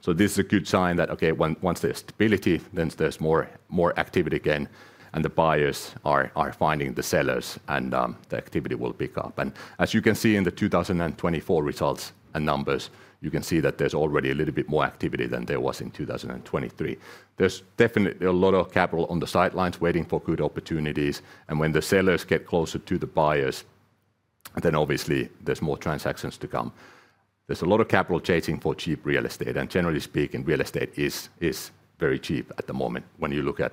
This is a good sign that, okay, once there's stability, then there's more activity again, and the buyers are finding the sellers, and the activity will pick up. As you can see in the 2024 results and numbers, you can see that there's already a little bit more activity than there was in 2023. There's definitely a lot of capital on the sidelines waiting for good opportunities, and when the sellers get closer to the buyers, then obviously there's more transactions to come. There's a lot of capital chasing for cheap real estate, and generally speaking, real estate is very cheap at the moment when you look at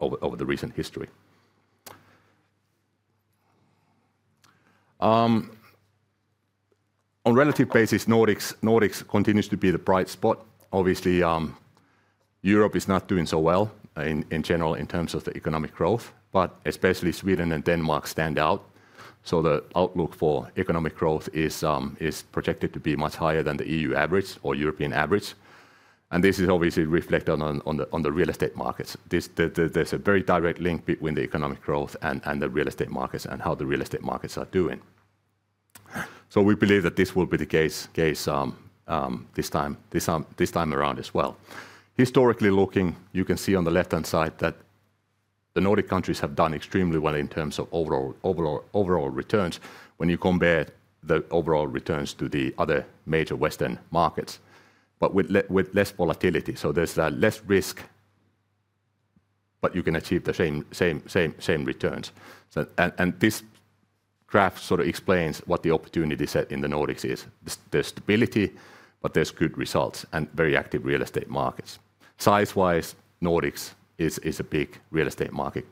over the recent history. On a relative basis, Nordics continues to be the bright spot. Obviously, Europe is not doing so well in general in terms of the economic growth, but especially Sweden and Denmark stand out. The outlook for economic growth is projected to be much higher than the EU average or European average. This is obviously reflected on the real estate markets. There is a very direct link between the economic growth and the real estate markets and how the real estate markets are doing. We believe that this will be the case this time around as well. Historically looking, you can see on the left-hand side that the Nordic countries have done extremely well in terms of overall returns when you compare the overall returns to the other major Western markets, but with less volatility. There is less risk, but you can achieve the same returns. This graph sort of explains what the opportunity set in the Nordics is. There is stability, but there are good results and very active real estate markets. Size-wise, Nordics is a big real estate market,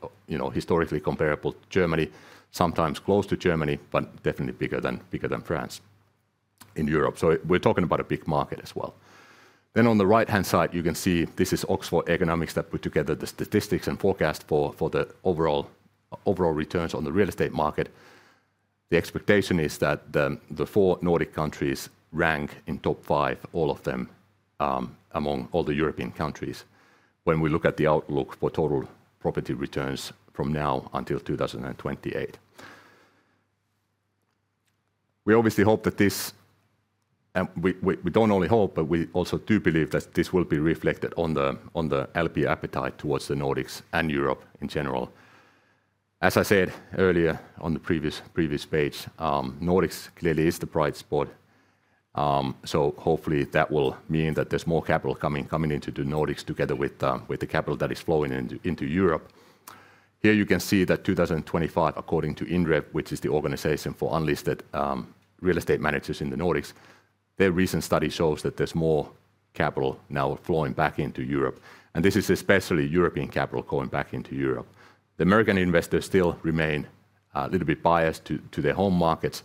historically comparable to Germany, sometimes close to Germany, but definitely bigger than France in Europe. We are talking about a big market as well. On the right-hand side, you can see this is Oxford Economics that put together the statistics and forecast for the overall returns on the real estate market. The expectation is that the four Nordic countries rank in top five, all of them among all the European countries when we look at the outlook for Total Property Returns from now until 2028. We obviously hope that this, and we do not only hope, but we also do believe that this will be reflected on the LP appetite towards the Nordics and Europe in general. As I said earlier on the previous page, Nordics clearly is the bright spot. Hopefully that will mean that there's more capital coming into the Nordics together with the capital that is flowing into Europe. Here you can see that 2025, according to INREV, which is the organization for unlisted real estate managers in the Nordics, their recent study shows that there's more capital now flowing back into Europe. This is especially European capital going back into Europe. The American investors still remain a little bit biased to their home markets,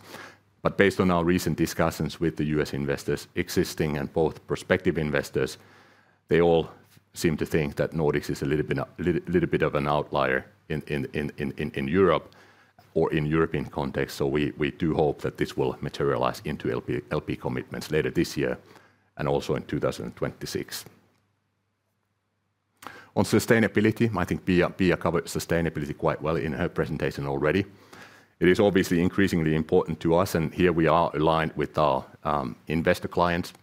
but based on our recent discussions with the U.S. investors, existing and both prospective investors, they all seem to think that Nordics is a little bit of an outlier in Europe or in European context. We do hope that this will materialize into LP commitments later this year and also in 2026. On sustainability, I think Pia covered sustainability quite well in her presentation already. It is obviously increasingly important to us, and here we are aligned with our investor clients,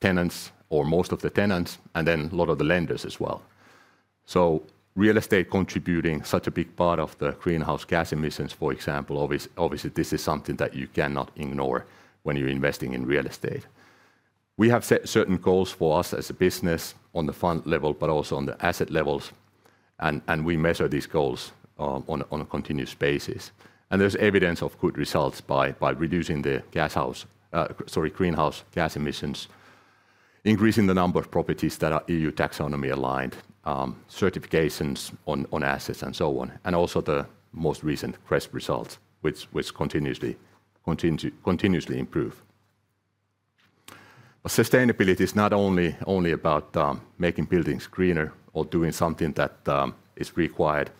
tenants, or most of the tenants, and then a lot of the lenders as well. Real estate contributing such a big part of the Greenhouse Gas Emissions, for example, obviously this is something that you cannot ignore when you're investing in real estate. We have set certain goals for us as a business on the fund level, but also on the asset levels, and we measure these goals on a continuous basis. There is evidence of good results by reducing the Greenhouse Gas Emissions, increasing the number of properties that are EU Taxonomy aligned, certifications on assets, and so on, and also the most recent GRESB results, which continuously improve. Sustainability is not only about making buildings greener or doing something that is required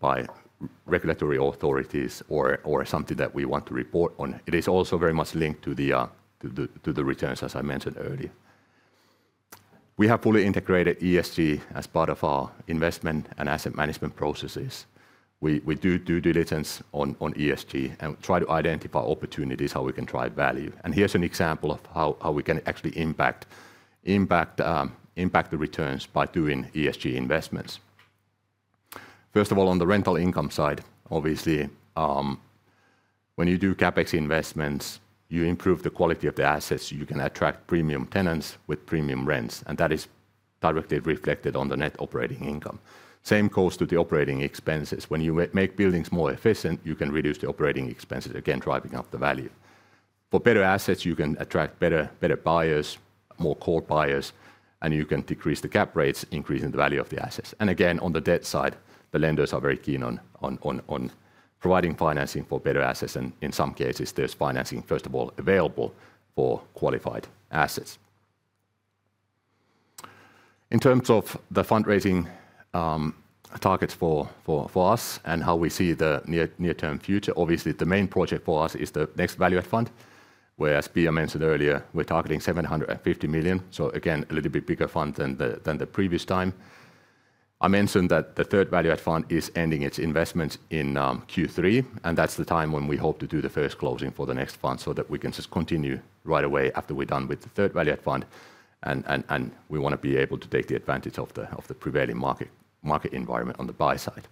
by regulatory authorities or something that we want to report on. It is also very much linked to the returns, as I mentioned earlier. We have fully integrated ESG as part of our investment and asset management processes. We do due diligence on ESG and try to identify opportunities how we can drive value. Here's an example of how we can actually impact the returns by doing ESG investments. First of all, on the rental income side, obviously, when you do CapEx investments, you improve the quality of the assets. You can attract premium tenants with premium rents, and that is directly reflected on the Net Operating Income. Same goes to the operating expenses. When you make buildings more efficient, you can reduce the operating expenses, again driving up the value. For better assets, you can attract better buyers, more core buyers, and you can decrease the cap rates, increasing the value of the assets. Again, on the debt side, the lenders are very keen on providing financing for better assets, and in some cases, there is financing, first of all, available for qualified assets. In terms of the fundraising targets for us and how we see the near-term future, obviously the main project for us is the Next Value-add fund, where as Pia mentioned earlier, we are targeting 750 million. Again, a little bit bigger fund than the previous time. I mentioned that the third value-add fund is ending its investments in Q3, and that's the time when we hope to do the first closing for the next fund so that we can just continue right away after we're done with the third value-add fund, and we want to be able to take the advantage of the prevailing market environment on the buy side.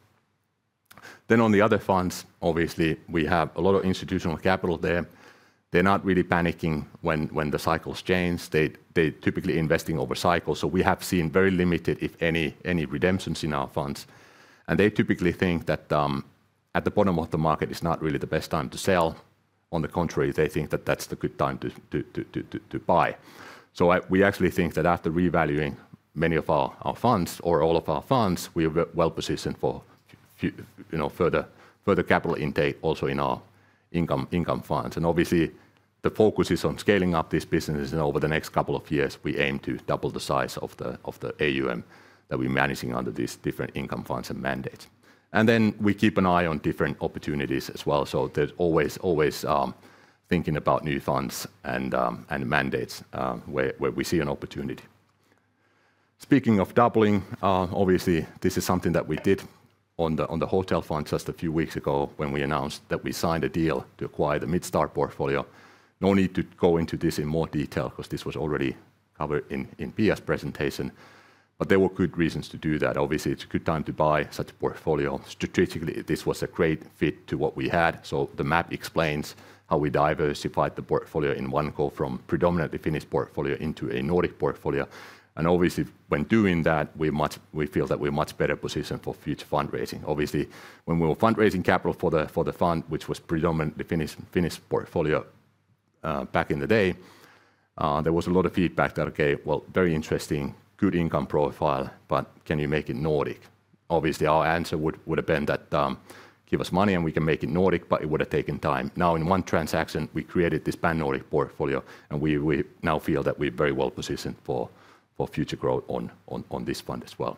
On the other funds, obviously, we have a lot of institutional capital there. They're not really panicking when the cycles change. They're typically investing over cycles. We have seen very limited, if any, redemptions in our funds. They typically think that at the bottom of the market is not really the best time to sell. On the contrary, they think that that's the good time to buy. We actually think that after revaluing many of our funds or all of our funds, we are well positioned for further capital intake also in our income funds. Obviously, the focus is on scaling up these businesses, and over the next couple of years, we aim to double the size of the AUM that we're managing under these different income funds and mandates. We keep an eye on different opportunities as well. There's always thinking about new funds and mandates where we see an opportunity. Speaking of doubling, obviously, this is something that we did on the hotel fund just a few weeks ago when we announced that we signed a deal to acquire the Midstar portfolio. No need to go into this in more detail because this was already covered in Pia's presentation, but there were good reasons to do that. Obviously, it's a good time to buy such a portfolio. Strategically, this was a great fit to what we had. The map explains how we diversified the portfolio in one go from predominantly Finnish portfolio into a Nordic portfolio. Obviously, when doing that, we feel that we're much better positioned for future fundraising. Obviously, when we were fundraising capital for the fund, which was predominantly Finnish portfolio back in the day, there was a lot of feedback that, okay, well, very interesting, good income profile, but can you make it Nordic? Obviously, our answer would have been that give us money and we can make it Nordic, but it would have taken time. Now, in one transaction, we created this pan-Nordic portfolio, and we now feel that we're very well positioned for future growth on this fund as well.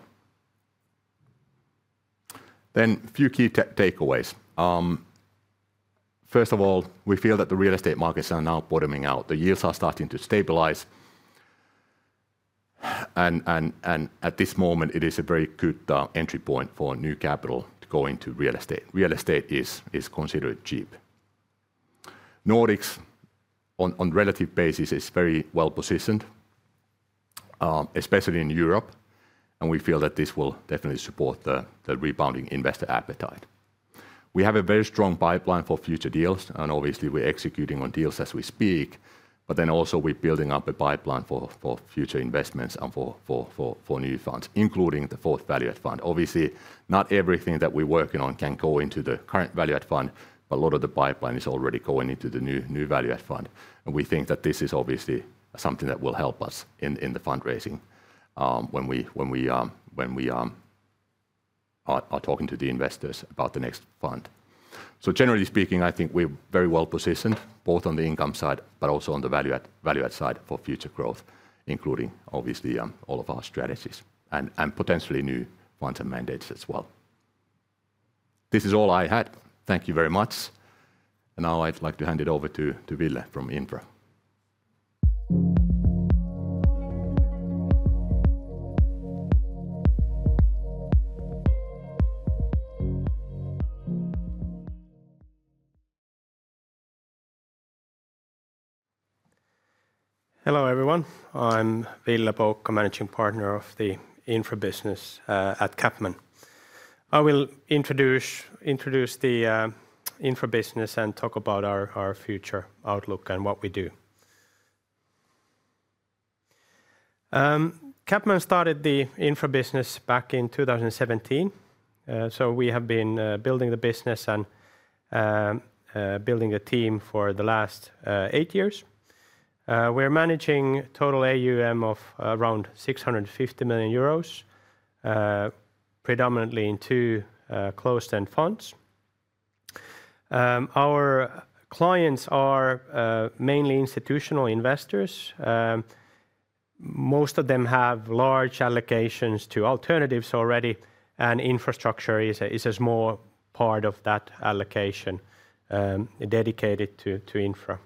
A few key takeaways. First of all, we feel that the real estate markets are now bottoming out. The yields are starting to stabilize. At this moment, it is a very good entry point for new capital to go into real estate. Real estate is considered cheap. Nordics, on a relative basis, is very well positioned, especially in Europe, and we feel that this will definitely support the rebounding investor appetite. We have a very strong pipeline for future deals, and obviously, we're executing on deals as we speak, but also we're building up a pipeline for future investments and for new funds, including the fourth value-add fund. Obviously, not everything that we're working on can go into the current value-add fund, but a lot of the pipeline is already going into the new value-add fund. We think that this is obviously something that will help us in the fundraising when we are talking to the investors about the next fund. Generally speaking, I think we are very well positioned both on the income side, but also on the value-add side for future growth, including obviously all of our strategies and potentially new funds and mandates as well. This is all I had. Thank you very much. Now I would like to hand it over to Ville from Infra. Hello everyone. I am Ville Poukka, Managing Partner of the Infra Business at CapMan. I will introduce the Infra Business and talk about our future outlook and what we do. CapMan started the Infra Business back in 2017. We have been building the business and building the team for the last eight years. We're managing total AUM of around 650 million euros, predominantly in two closed-end funds. Our clients are mainly Institutional Investors. Most of them have large allocations to alternatives already, and infrastructure is a small part of that allocation dedicated to Infra.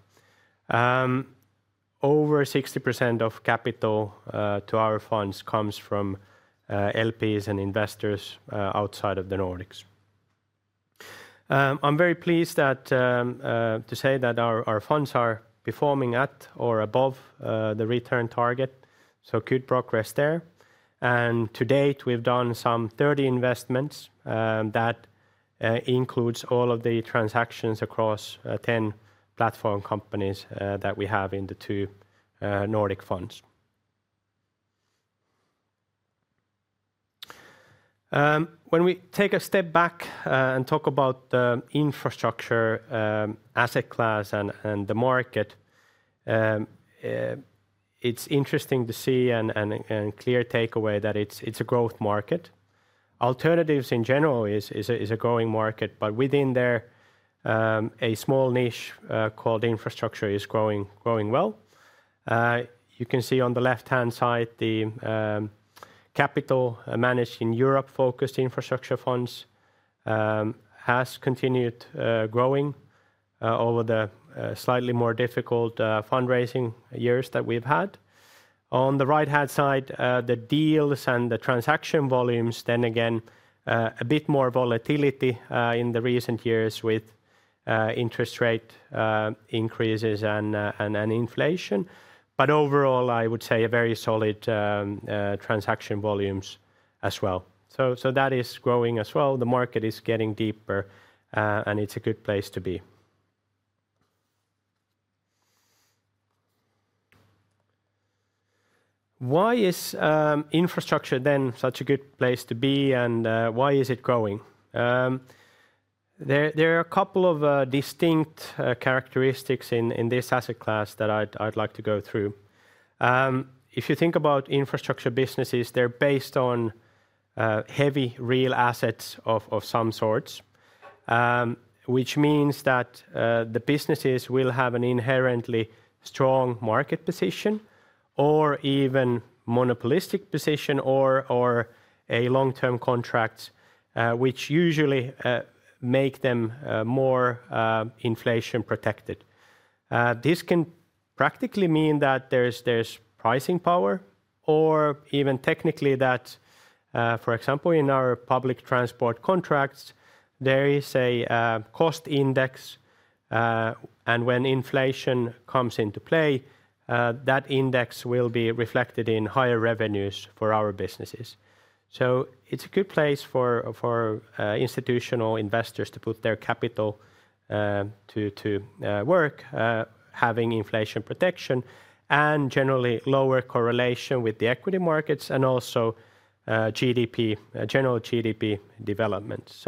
Over 60% of capital to our funds comes from LPs and investors outside of the Nordics. I am very pleased to say that our funds are performing at or above the return target, so good progress there. To date, we've done some 30 investments that include all of the transactions across 10 platform companies that we have in the two Nordic funds. When we take a step back and talk about the infrastructure asset class and the market, it's interesting to see and a clear takeaway that it's a growth market. Alternatives in general is a growing market, but within there, a small niche called Infrastructure is growing well. You can see on the left-hand side the capital managed in Europe-focused infrastructure funds has continued growing over the slightly more difficult fundraising years that we've had. On the right-hand side, the deals and the transaction volumes, then again, a bit more volatility in the recent years with interest rate increases and inflation. Overall, I would say a very solid transaction volumes as well. That is growing as well. The market is getting deeper, and it's a good place to be. Why is infrastructure then such a good place to be, and why is it growing? There are a couple of distinct characteristics in this asset class that I'd like to go through. If you think about infrastructure businesses, they're based on heavy real assets of some sorts, which means that the businesses will have an inherently strong market position or even Monopolistic position or a long-term contract, which usually makes them more inflation-protected. This can practically mean that there's pricing power or even technically that, for example, in our public transport contracts, there is a Cost Index, and when inflation comes into play, that index will be reflected in higher revenues for our businesses. It is a good place for institutional investors to put their capital to work, having inflation protection and generally lower correlation with the equity markets and also general GDP development.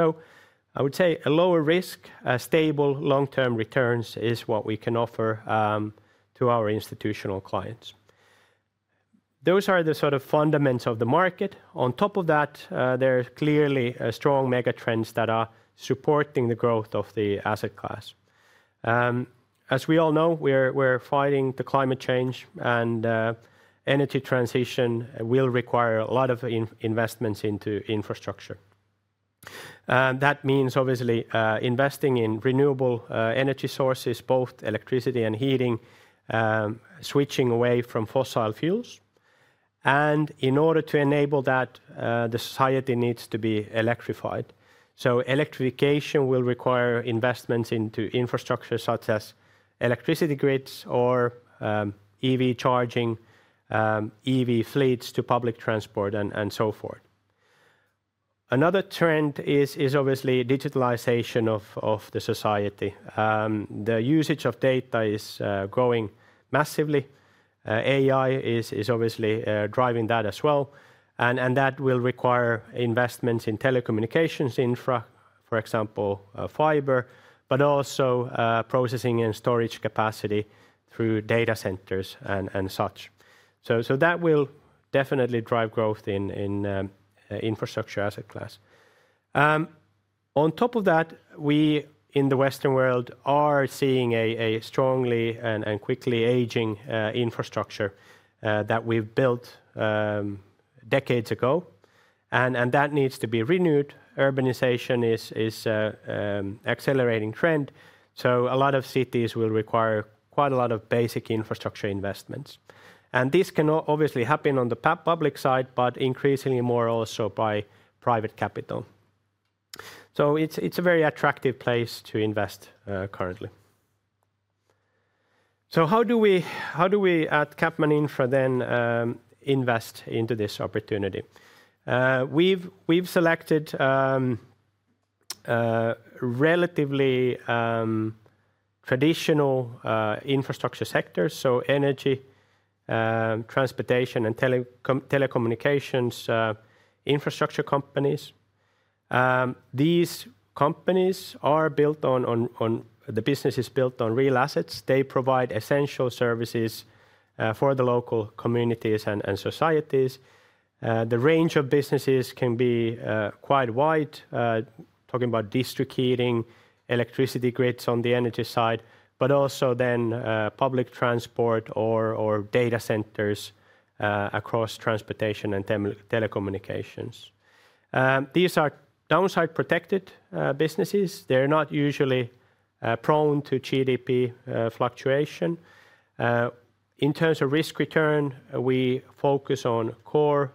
I would say a lower risk, stable long-term returns is what we can offer to our institutional clients. Those are the sort of fundamentals of the market. On top of that, there are clearly strong megatrends that are supporting the growth of the asset class. As we all know, we're fighting climate change, and energy transition will require a lot of investments into infrastructure. That means obviously investing in Renewable Energy Sources, both electricity and heating, switching away from fossil fuels. In order to enable that, the society needs to be electrified. Electrification will require investments into infrastructure such as electricity grids or EV charging, EV fleets to public transport, and so forth. Another trend is obviously digitalization of the society. The usage of data is growing massively. AI is obviously driving that as well. That will require investments in telecommunications infra, for example, fiber, but also processing and storage capacity through data centers and such. That will definitely drive growth in infrastructure asset class. On top of that, we in the Western world are seeing a strongly and quickly aging infrastructure that we've built decades ago, and that needs to be renewed. Urbanization is an accelerating trend. A lot of cities will require quite a lot of basic infrastructure investments. This can obviously happen on the public side, but increasingly more also by private capital. It is a very attractive place to invest currently. How do we at CapMan Infra then invest into this opportunity? We've selected relatively traditional infrastructure sectors, so energy, transportation, and telecommunications infrastructure companies. These companies are built on the business is built on real assets. They provide essential services for the local communities and societies. The range of businesses can be quite wide, talking about district heating, electricity grids on the energy side, but also then public transport or data centers across transportation and telecommunications. These are downside-protected businesses. They're not usually prone to GDP fluctuation. In terms of risk return, we focus on Core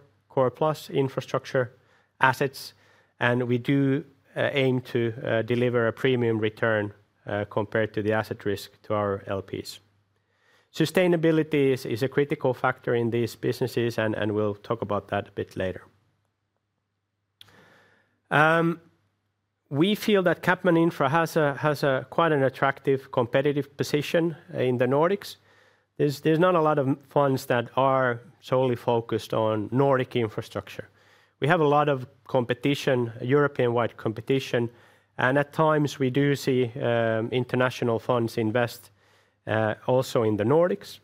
Plus Infrastructure assets, and we do aim to deliver a premium return compared to the asset risk to our LPs. Sustainability is a critical factor in these businesses, and we'll talk about that a bit later. We feel that CapMan Infra has quite an attractive competitive position in the Nordics. There's not a lot of funds that are solely focused on Nordic infrastructure. We have a lot of competition, European-wide competition, and at times we do see international funds invest also in the Nordics,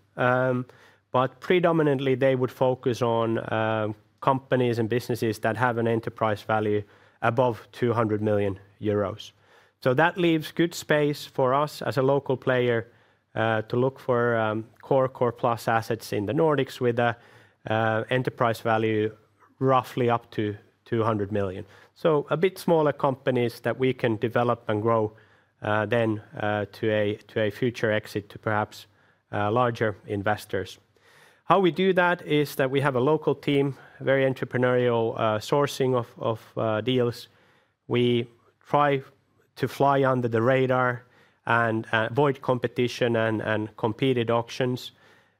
but predominantly they would focus on companies and businesses that have an enterprise value above 200 million euros. That leaves good space for us as a local player to look for Core Plus assets in the Nordics with an enterprise value roughly up to 200 million. A bit smaller companies that we can develop and grow then to a future exit to perhaps larger investors. How we do that is that we have a local team, very entrepreneurial sourcing of deals. We try to fly under the radar and avoid competition and competed auctions,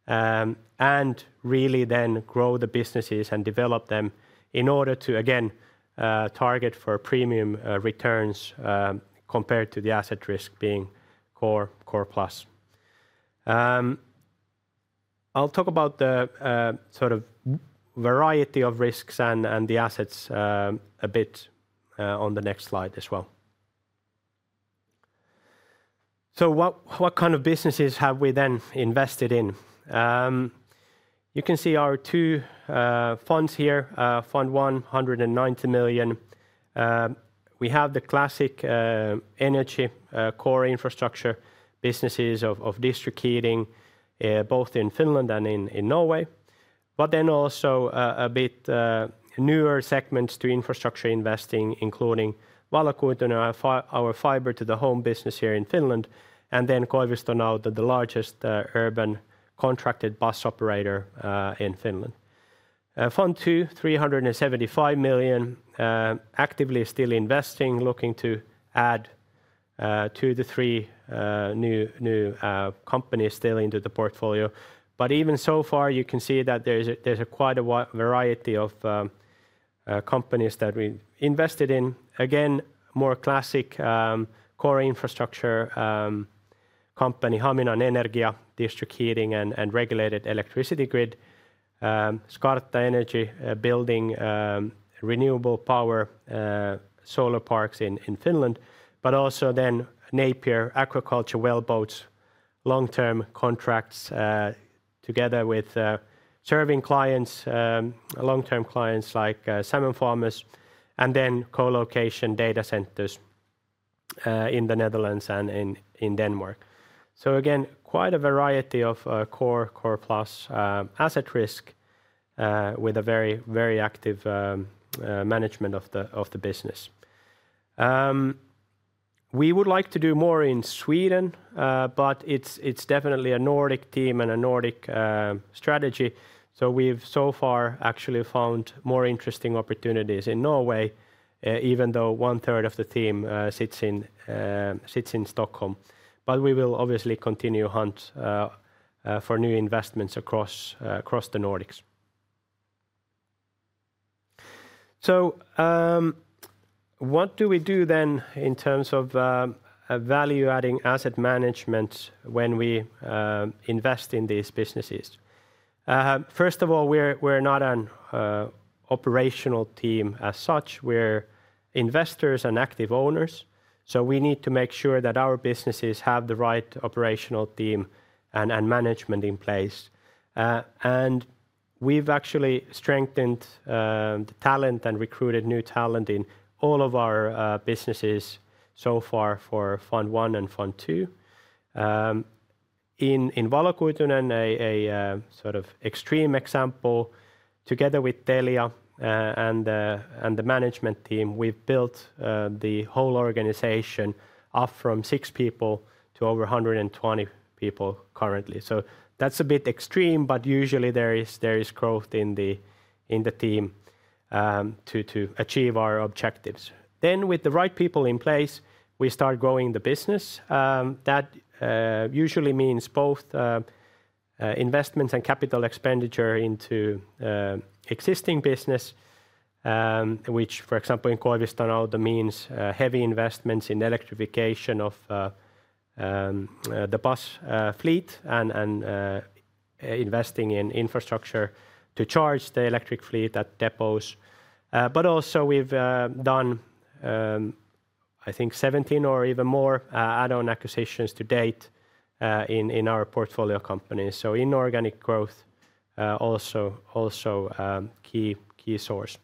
and really then grow the businesses and develop them in order to, again, target for premium returns compared to the asset risk being core plus. I will talk about the sort of variety of risks and the assets a bit on the next slide as well. What kind of businesses have we then invested in? You can see our two funds here. Fund One, 190 million. We have the classic energy core infrastructure businesses of district heating, both in Finland and in Norway, but then also a bit newer segments to infrastructure investing, including Valokuitunen, our fiber to the home business here in Finland, and then Koiviston Auto, the largest urban contracted bus operator in Finland. Fund Two, 375 million, actively still investing, looking to add two to three new companies still into the portfolio. Even so far, you can see that there's quite a variety of companies that we invested in. Again, more classic core infrastructure company, Hamina Energia, district heating and regulated electricity grid, Skarta Energy, building renewable power solar parks in Finland, but also then Napier Agriculture Wellboats, long-term contracts together with serving clients, long-term clients like Salmon Farmers, and then co-location data centers in the Netherlands and in Denmark. Again, quite a variety of core plus asset risk with a very active management of the business. We would like to do more in Sweden, but it's definitely a Nordic theme and a Nordic strategy. We've so far actually found more interesting opportunities in Norway, even though one third of the team sits in Stockholm. We will obviously continue to hunt for new investments across the Nordics. What do we do then in terms of value-adding asset management when we invest in these businesses? First of all, we're not an operational team as such. We're investors and active owners. We need to make sure that our businesses have the right operational team and management in place. We've actually strengthened the talent and recruited new talent in all of our businesses so far for Fund I and Fund II. In Valokuitunen, a sort of extreme example, together with Telia and the management team, we've built the whole organization up from six people to over 120 people currently. That's a bit extreme, but usually there is growth in the team to achieve our objectives. With the right people in place, we start growing the business. That usually means both investments and capital expenditure into existing business, which for example in Koiviston Auto means heavy investments in electrification of the bus fleet and investing in infrastructure to charge the electric fleet at depots. Also, we've done, I think, 17 or even more add-on acquisitions to date in our portfolio companies. Inorganic growth is also a key source.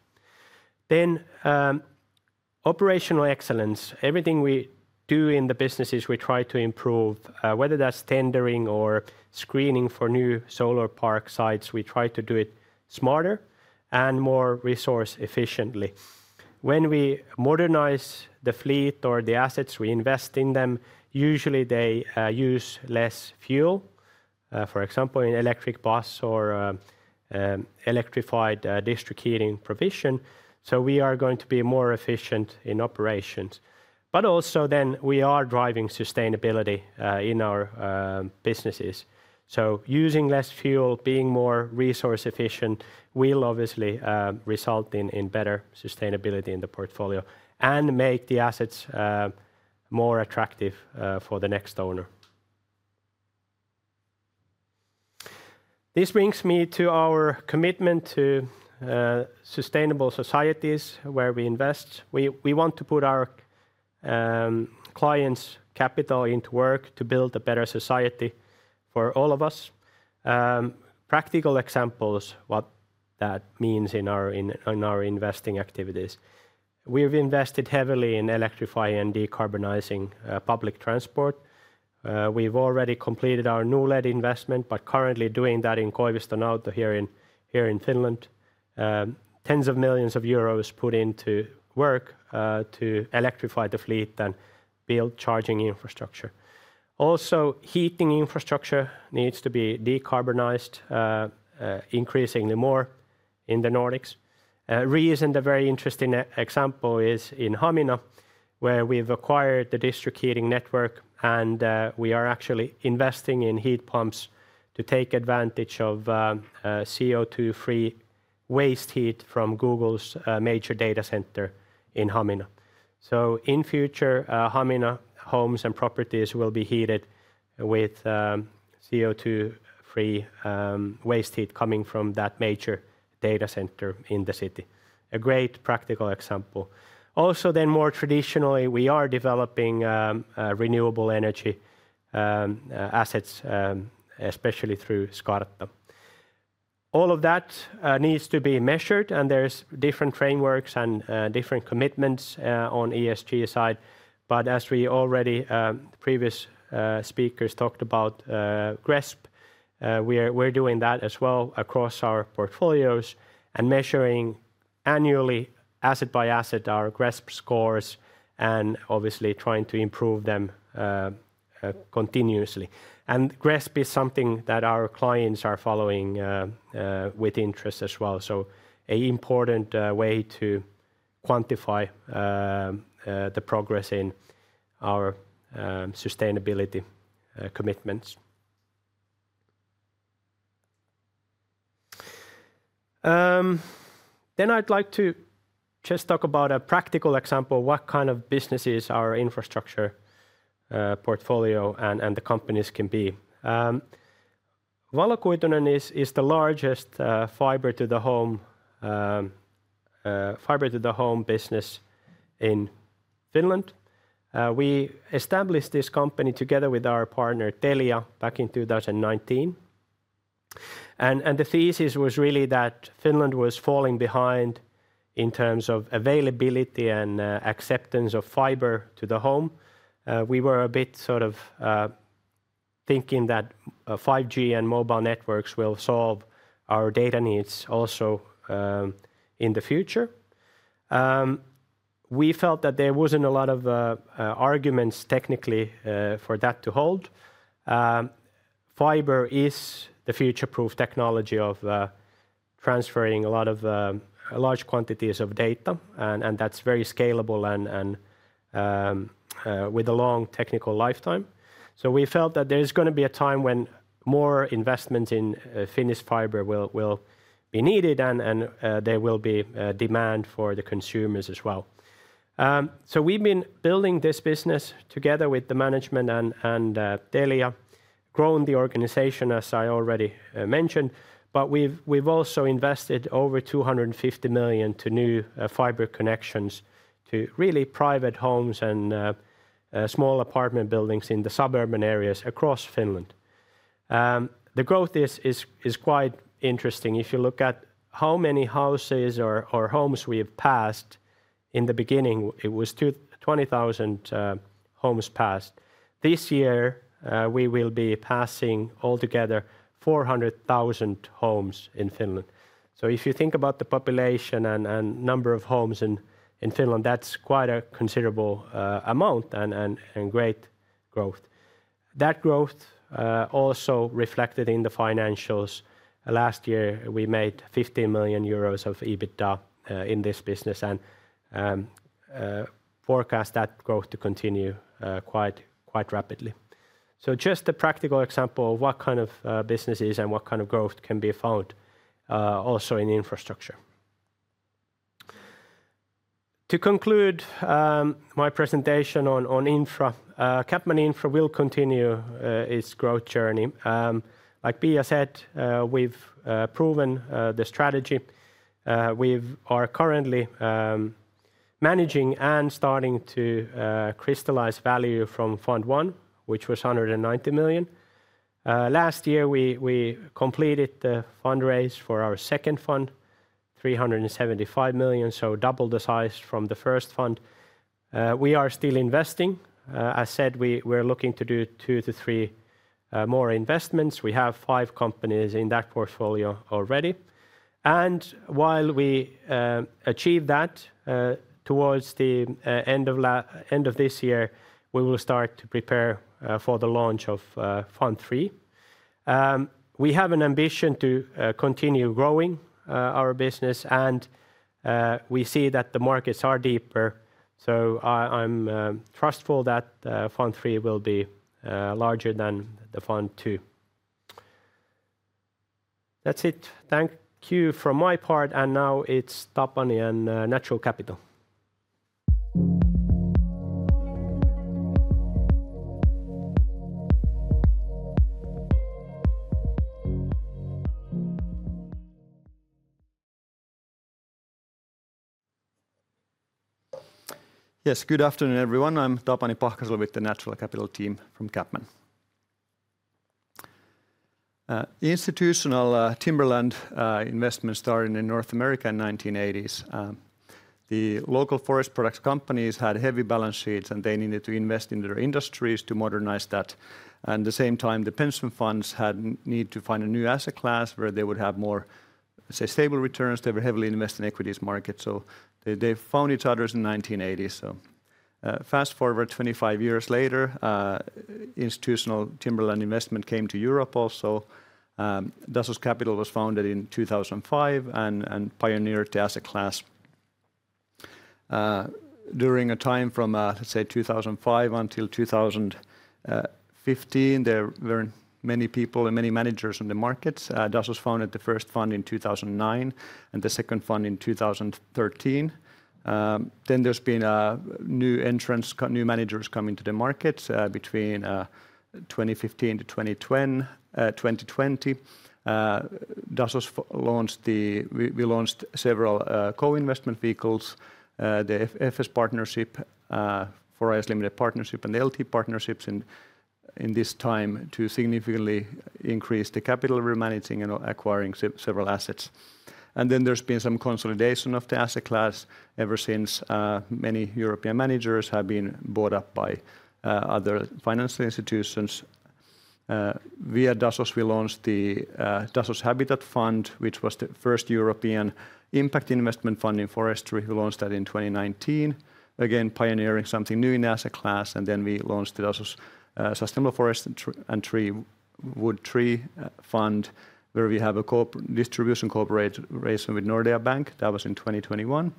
Operational excellence—everything we do in the businesses, we try to improve, whether that's tendering or screening for new solar park sites, we try to do it smarter and more resource efficiently. When we modernize the fleet or the assets we invest in them, usually they use less fuel, for example in electric bus or electrified district heating provision. We are going to be more efficient in operations. Also, we are driving sustainability in our businesses. Using less fuel, being more resource efficient will obviously result in better sustainability in the portfolio and make the assets more attractive for the next owner. This brings me to our commitment to sustainable societies where we invest. We want to put our clients' capital into work to build a better society for all of us. Practical examples of what that means in our investing activities. We've invested heavily in electrifying and decarbonizing public transport. We've already completed our new lead investment, but currently doing that in Koiviston Auto here in Finland. Tens of millions of EUR put into work to electrify the fleet and build charging infrastructure. Also, heating infrastructure needs to be decarbonized increasingly more in the Nordics. The very interesting example is in Hamina, where we've acquired the district heating network and we are actually investing in heat pumps to take advantage of CO2-free waste heat from Google's major data center in Hamina. In future, Hamina homes and properties will be heated with CO2-free waste heat coming from that major data center in the city. A great practical example. Also more traditionally, we are developing renewable energy assets, especially through Skarta. All of that needs to be measured, and there are different frameworks and different commitments on the ESG side. As we already, previous speakers talked about, GRESB, we're doing that as well across our portfolios and measuring annually, asset by asset, our GRESB scores and obviously trying to improve them continuously. GRESB is something that our clients are following with interest as well. An important way to quantify the progress in our sustainability commitments. I would like to just talk about a practical example of what kind of businesses our infrastructure portfolio and the companies can be. Valokuitunen is the largest fiber to the home business in Finland. We established this company together with our partner Telia back in 2019. The thesis was really that Finland was falling behind in terms of availability and acceptance of Fiber to the Home. We were a bit sort of thinking that 5G and mobile networks will solve our data needs also in the future. We felt that there was not a lot of arguments technically for that to hold. Fiber is the future-proof technology of transferring a lot of large quantities of data, and that is very scalable and with a long technical lifetime. We felt that there is going to be a time when more investment in Finnish fiber will be needed and there will be demand for the consumers as well. We have been building this business together with the management and Telia, grown the organization as I already mentioned, but we have also invested over 250 million to new fiber connections to really private homes and small apartment buildings in the suburban areas across Finland. The growth is quite interesting. If you look at how many houses or homes we have passed in the beginning, it was 20,000 homes passed. This year we will be passing altogether 400,000 homes in Finland. If you think about the population and number of homes in Finland, that's quite a considerable amount and great growth. That growth also reflected in the financials. Last year we made 15 million euros of EBITDA in this business and forecast that growth to continue quite rapidly. Just a practical example of what kind of businesses and what kind of growth can be found also in infrastructure. To conclude my presentation on Infra, CapMan Infra will continue its growth journey. Like Pia said, we've proven the strategy. We are currently managing and starting to crystallize value from Fund I, which was 190 million. Last year we completed the fundraise for our second fund, 375 million, so double the size from the first fund. We are still investing. As said, we're looking to do two to three more investments. We have five companies in that portfolio already. While we achieve that towards the end of this year, we will start to prepare for the launch of Fund III. We have an ambition to continue growing our business and we see that the markets are deeper. I'm trustful that Fund III will be larger than Fund II. That's it. Thank you from my part. Now it's Tapani and Natural Capital. Yes, good afternoon everyone. I'm Tapani Pahkosalo with the Natural Capital team from CapMan. Institutional Timberland investment started in North America in the 1980s. The local forest products companies had heavy balance sheets and they needed to invest in their industries to modernize that. At the same time, the Pension Funds had need to find a new asset class where they would have more stable returns. They were heavily invested in equities markets. They found each other in the 1980s. Fast forward 25 years later, institutional Timberland investment came to Europe also. Dasos Capital was founded in 2005 and pioneered the asset class. During a time from, let's say, 2005 until 2015, there were many people and many managers in the markets. Dasos founded the first fund in 2009 and the second fund in 2013. There have been new entrants, new managers coming to the market between 2015 to 2020. Dasos launched the, we launched several co-investment vehicles, the FS partnership, Forest Limited partnership, and the LT partnerships in this time to significantly increase the capital we are managing and acquiring several assets. There has been some consolidation of the asset class ever since. Many European managers have been bought up by other financial institutions. Via Dasos, we launched the Dasos Habitat Fund, which was the first European impact investment fund in forestry. We launched that in 2019, again pioneering something new in asset class. We launched the Dasos Sustainable Forest and Wood III Alternative Investment Fund, where we have a distribution cooperation with Nordea Bank. That was in 2021.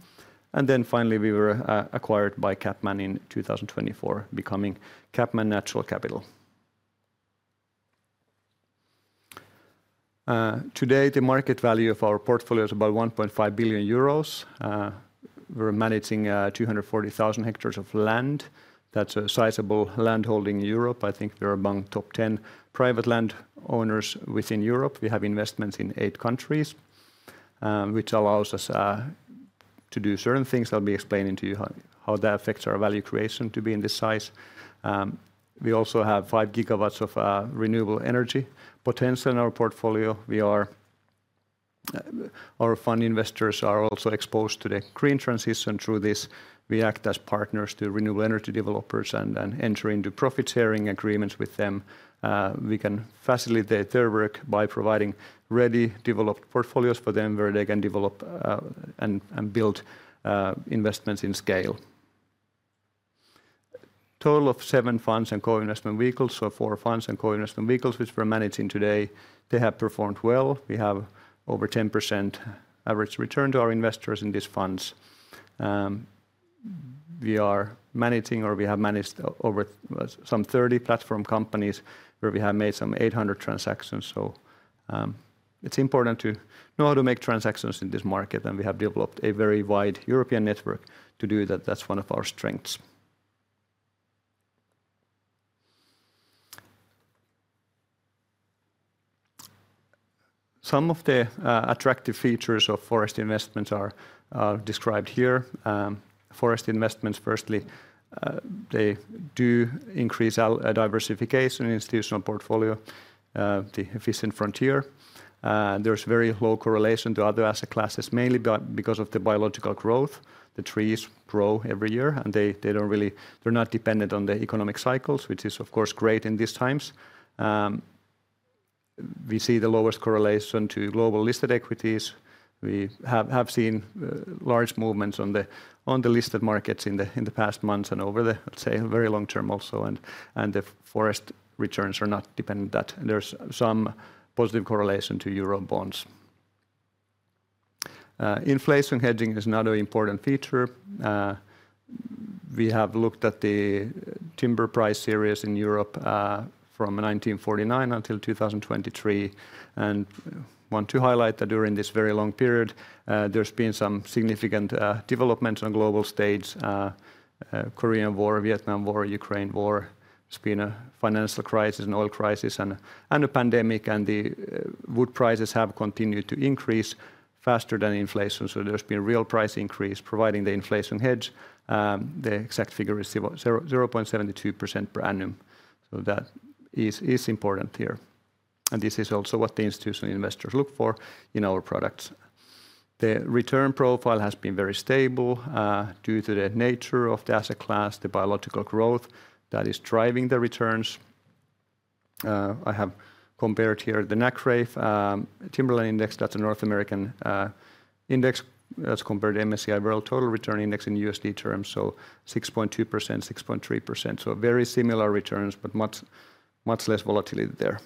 Finally, we were acquired by CapMan in 2024, becoming CapMan Natural Capital. Today, the market value of our portfolio is about 1.5 billion euros. We're managing 240,000 hectares of land. That's a sizable landholding in Europe. I think we're among the top 10 private landowners within Europe. We have investments in eight countries, which allows us to do certain things. I'll be explaining to you how that affects our value creation to be in this size. We also have 5 gigawatts of renewable energy potential in our portfolio. Our fund investors are also exposed to the green transition through this. We act as partners to renewable energy developers and enter into profit-sharing agreements with them. We can facilitate their work by providing ready developed portfolios for them where they can develop and build investments in scale. Total of seven funds and co-investment vehicles, so four funds and co-investment vehicles which we're managing today, they have performed well. We have over 10% average return to our investors in these funds. We are managing or we have managed over some 30 platform companies where we have made some 800 transactions. It is important to know how to make transactions in this market. We have developed a very wide European network to do that. That is one of our strengths. Some of the attractive features of forest investments are described here. Forest investments, firstly, they do increase diversification in institutional portfolio. The efficient frontier. There's very low correlation to other asset classes, mainly because of the biological growth. The trees grow every year and they don't really, they're not dependent on the economic cycles, which is of course great in these times. We see the lowest correlation to global listed equities. We have seen large movements on the listed markets in the past months and over the, let's say, very long term also. The forest returns are not dependent on that. There's some positive correlation to euro bonds. Inflation hedging is another important feature. We have looked at the timber price series in Europe from 1949 until 2023. I want to highlight that during this very long period, there's been some significant developments on the global stage: Korean War, Vietnam War, Ukraine War. There's been a financial crisis, an oil crisis, and a pandemic. The wood prices have continued to increase faster than inflation. There has been real price increase providing the inflation hedge. The exact figure is 0.72% per annum. That is important here. This is also what the Institutional Investors look for in our products. The return profile has been very stable due to the nature of the asset class, the biological growth that is driving the returns. I have compared here the NCREIF Timberland Index. That is a North American index. That is compared to MSCI World Total Return Index in USD terms. 6.2%, 6.3%. Very similar returns, but much less volatility there.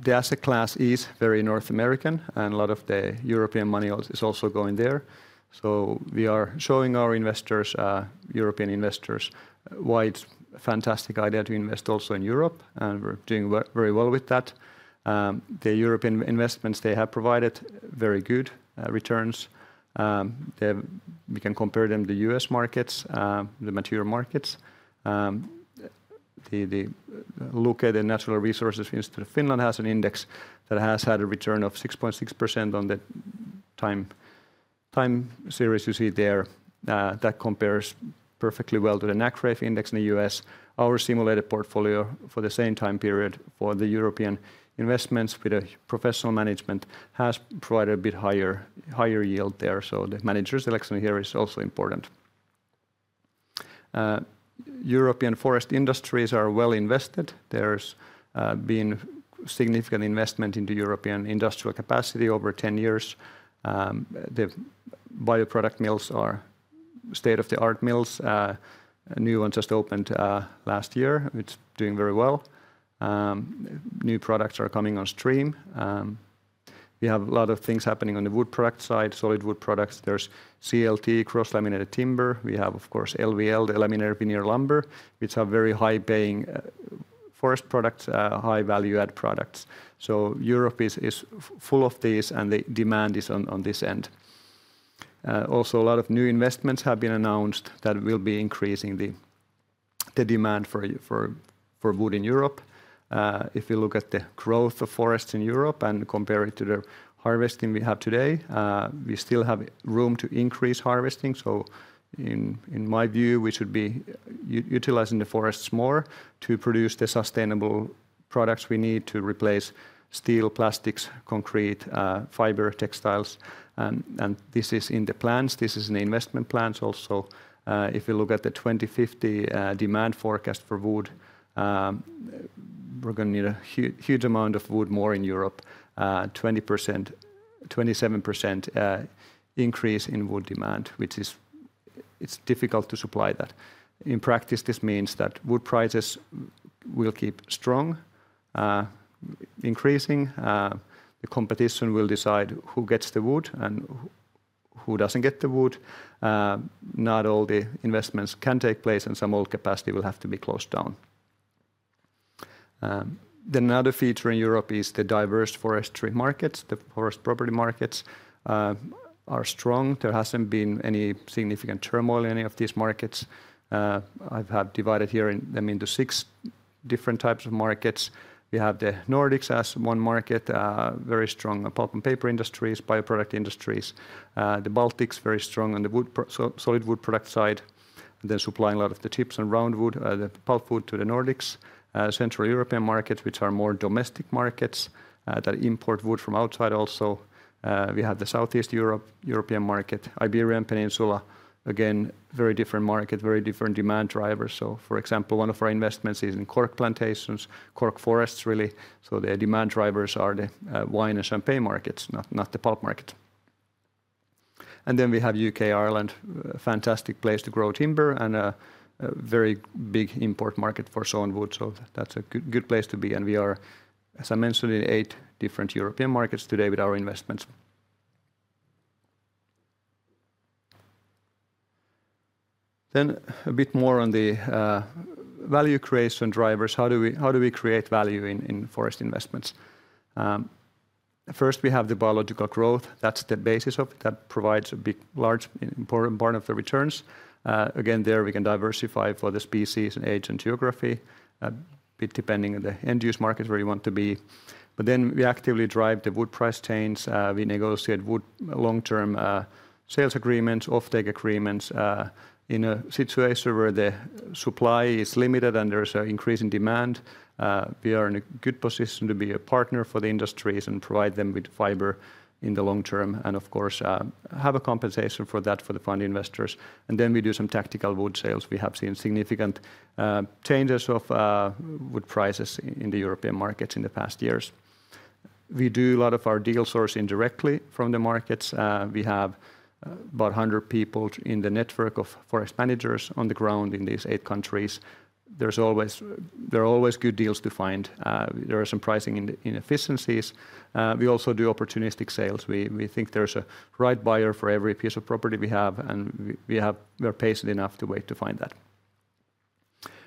The asset class is very North American, and a lot of the European money is also going there. We are showing our investors, European investors, why it is a fantastic idea to invest also in Europe. We are doing very well with that. The European investments, they have provided very good returns. We can compare them to U.S. markets, the material markets. The Luke of Finland has an index that has had a return of 6.6% on the time series you see there. That compares perfectly well to the NCREIF index in the U.S. Our simulated portfolio for the same time period for the European investments with a professional management has provided a bit higher yield there. The managers' selection here is also important. European forest industries are well invested. There has been significant investment into European industrial capacity over 10 years. The bioproduct mills are state-of-the-art mills. New one just opened last year. It is doing very well. New products are coming on stream. We have a lot of things happening on the wood product side, solid wood products. There is CLT, Cross-Laminated Timber. We have, of course, LVL, the Laminated Veneer Lumber, which are very high-paying forest products, high value-add products. Europe is full of these and the demand is on this end. Also, a lot of new investments have been announced that will be increasing the demand for wood in Europe. If we look at the growth of forests in Europe and compare it to the harvesting we have today, we still have room to increase harvesting. In my view, we should be utilizing the forests more to produce the sustainable products we need to replace steel, plastics, concrete, fiber, textiles. This is in the plans. This is in the investment plans also. If you look at the 2050 demand forecast for wood, we're going to need a huge amount of wood more in Europe, 27% increase in wood demand, which is difficult to supply that. In practice, this means that wood prices will keep strong, increasing. The competition will decide who gets the wood and who does not get the wood. Not all the investments can take place and some old capacity will have to be closed down. Another feature in Europe is the diverse forestry markets. The forest property markets are strong. There has not been any significant turmoil in any of these markets. I have divided here them into six different types of markets. We have the Nordics as one market, very strong pulp and paper industries, bioproduct industries. The Baltics, very strong on the solid wood product side, and then supplying a lot of the chips and round wood, the pulp wood to the Nordics. Central European markets, which are more domestic markets that import wood from outside also. We have the Southeast European market, Iberian Peninsula. Again, very different market, very different demand drivers. For example, one of our investments is in cork plantations, cork forests really. The demand drivers are the wine and champagne markets, not the pulp market. We have U.K., Ireland, fantastic place to grow timber and a very big import market for sawn wood. That's a good place to be. We are, as I mentioned, in eight different European markets today with our investments. A bit more on the value creation drivers. How do we create value in forest investments? First, we have the biological growth. That's the basis that provides a big large important part of the returns. There we can diversify for the species and age and geography, depending on the end-use market where you want to be. We actively drive the wood price chains. We negotiate wood long-term sales agreements, off-take agreements. In a situation where the supply is limited and there is an increase in demand, we are in a good position to be a partner for the industries and provide them with fiber in the long term. Of course, have a compensation for that for the fund investors. We do some tactical wood sales. We have seen significant changes of wood prices in the European markets in the past years. We do a lot of our deals sourcing directly from the markets. We have about 100 people in the network of forest managers on the ground in these eight countries. There are always good deals to find. There are some pricing inefficiencies. We also do opportunistic sales. We think there is a right buyer for every piece of property we have. We are patient enough to wait to find that.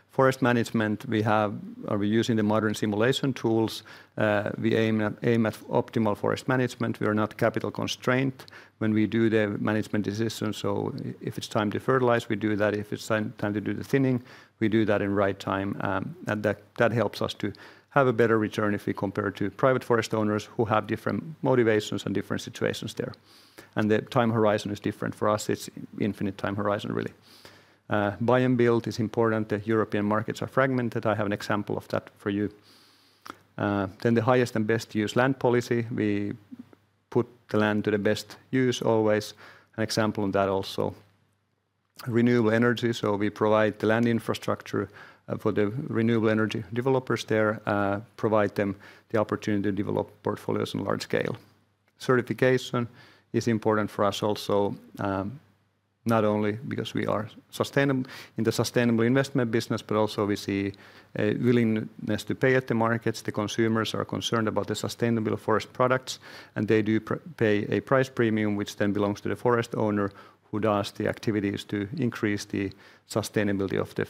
Forest management, we have, are we using the modern simulation tools? We aim at optimal forest management. We are not capital constrained when we do the management decisions. If it's time to fertilize, we do that. If it's time to do the thinning, we do that in the right time. That helps us to have a better return if we compare to private forest owners who have different motivations and different situations there. The time horizon is different for us. It's infinite time horizon really. Buy and build is important. The European markets are fragmented. I have an example of that for you. The highest and best use land policy. We put the land to the best use always. An example of that also. Renewable energy. We provide the land infrastructure for the renewable energy developers there, provide them the opportunity to develop portfolios on large scale. Certification is important for us also, not only because we are in the sustainable investment business, but also we see a willingness to pay at the markets. The consumers are concerned about the sustainable forest products, and they do pay a price premium, which then belongs to the forest owner who does the activities to increase the sustainability of the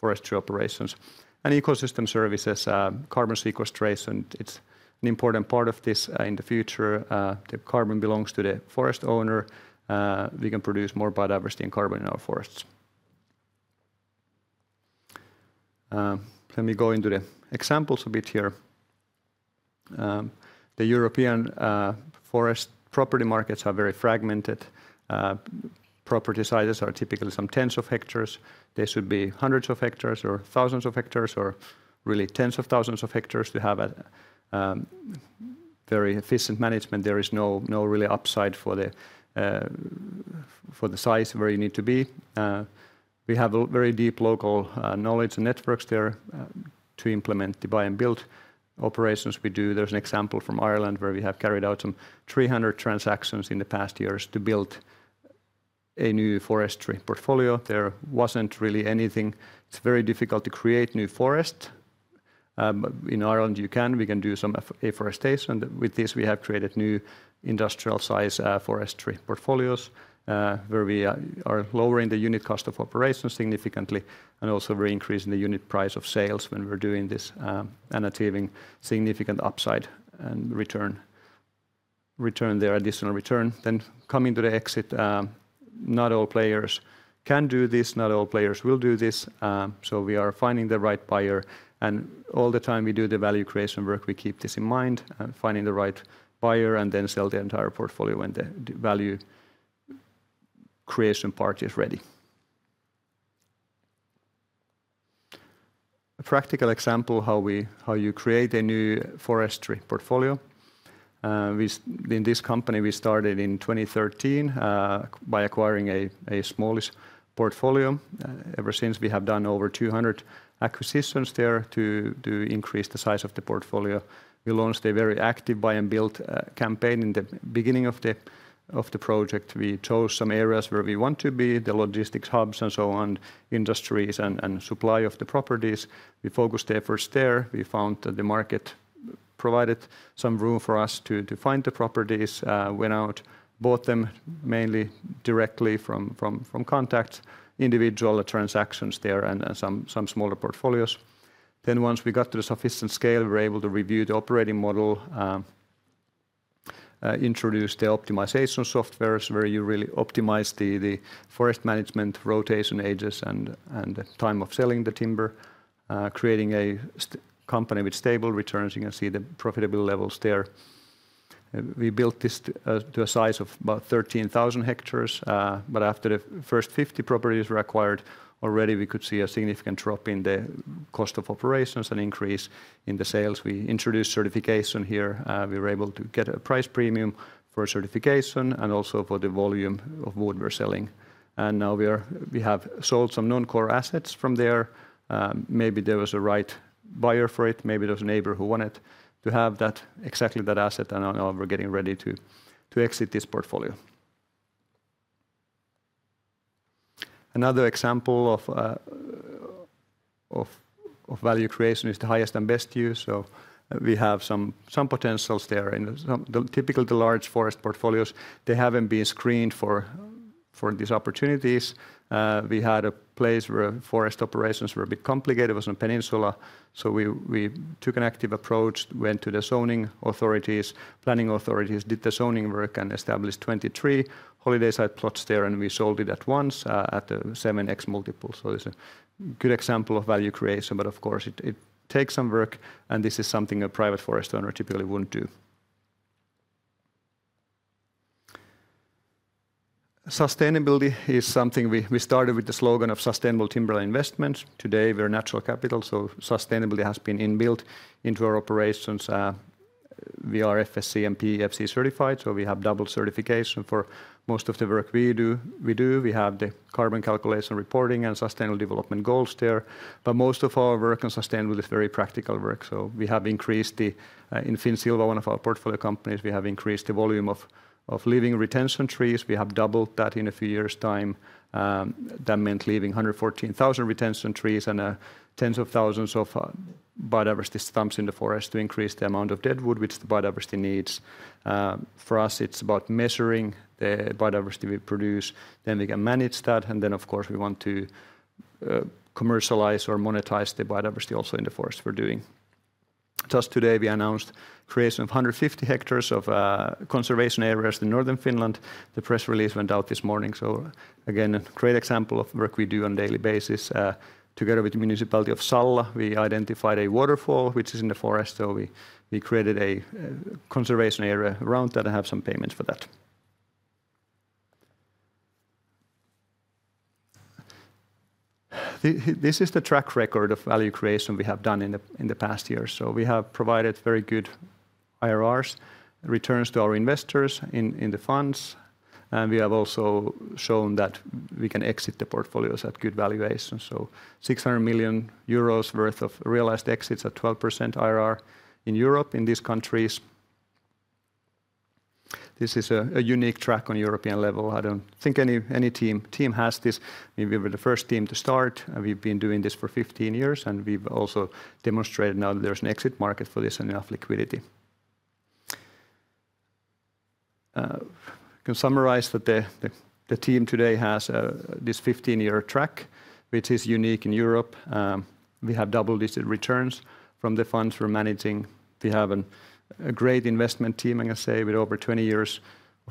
forestry operations. Ecosystem services, Carbon sequestration, it's an important part of this in the future. The carbon belongs to the forest owner. We can produce more biodiversity and carbon in our forests. Let me go into the examples a bit here. The European forest property markets are very fragmented. Property sizes are typically some tens of hectares. They should be hundreds of hectares or thousands of hectares or really tens of thousands of hectares to have a very efficient management. There is no really upside for the size where you need to be. We have very deep local knowledge and networks there to implement the buy and build operations we do. There's an example from Ireland where we have carried out some 300 transactions in the past years to build a new forestry portfolio. There wasn't really anything. It's very difficult to create new forest. In Ireland, you can. We can do some afforestation. With this, we have created new Industrial Size Forestry portfolios where we are lowering the unit cost of operations significantly and also we're increasing the unit price of sales when we're doing this and achieving significant upside and return there, additional return. Coming to the exit, not all players can do this. Not all players will do this. We are finding the right buyer. All the time we do the value creation work, we keep this in mind, finding the right buyer and then sell the entire portfolio when the value creation part is ready. A practical example of how you create a new forestry portfolio. In this company, we started in 2013 by acquiring a small portfolio. Ever since, we have done over 200 acquisitions there to increase the size of the portfolio. We launched a very active buy and build campaign in the beginning of the project. We chose some areas where we want to be, the logistics hubs and so on, industries and supply of the properties. We focused efforts there. We found that the market provided some room for us to find the properties, went out, bought them mainly directly from contacts, individual transactions there and some smaller portfolios. Once we got to the sufficient scale, we were able to review the operating model, introduce the optimization softwares where you really optimize the forest management rotation ages and time of selling the timber, creating a company with stable returns. You can see the profitable levels there. We built this to a size of about 13,000 hectares. After the first 50 properties were acquired already, we could see a significant drop in the cost of operations and increase in the sales. We introduced certification here. We were able to get a price premium for certification and also for the volume of wood we are selling. Now we have sold some non-core assets from there. Maybe there was a right buyer for it. Maybe there was a neighbor who wanted to have exactly that asset. Now we're getting ready to exit this portfolio. Another example of value creation is the highest and best use. We have some potentials there. Typically, the large forest portfolios haven't been screened for these opportunities. We had a place where forest operations were a bit complicated. It was on a peninsula. We took an active approach, went to the zoning authorities, planning authorities, did the zoning work and established 23 holiday site plots there. We sold it at once at the 7x multiple. It is a good example of value creation. Of course, it takes some work. This is something a private forest owner typically wouldn't do. Sustainability is something we started with the slogan of sustainable timber investments. Today, we're Natural Capital. Sustainability has been inbuilt into our operations. We are FSC and PEFC certified. We have double certification for most of the work we do. We have the carbon calculation reporting and sustainable development goals there. Most of our work on sustainability is very practical work. We have increased the, in Finsilva, one of our portfolio companies, we have increased the volume of living retention trees. We have doubled that in a few years' time. That meant leaving 114,000 retention trees and tens of thousands of biodiversity stumps in the forest to increase the amount of dead wood, which the biodiversity needs. For us, it's about measuring the biodiversity we produce. We can manage that. Of course, we want to commercialize or monetize the biodiversity also in the forest we're doing. Just today, we announced creation of 150 hectares of conservation areas in northern Finland. The press release went out this morning. Again, a great example of work we do on a daily basis. Together with the municipality of Salla, we identified a waterfall, which is in the forest. We created a conservation area around that and have some payments for that. This is the track record of value creation we have done in the past years. We have provided very good IRRs, returns to our investors in the funds. We have also shown that we can exit the portfolios at good valuations. 600 million euros worth of realized exits at 12% IRR in Europe, in these countries. This is a unique track on European level. I do not think any team has this. We were the first team to start. We've been doing this for 15 years. We have also demonstrated now that there's an exit market for this and enough liquidity. I can summarize that the team today has this 15-year track, which is unique in Europe. We have double-digit returns from the funds we're managing. We have a great investment team, I can say, with over 20 years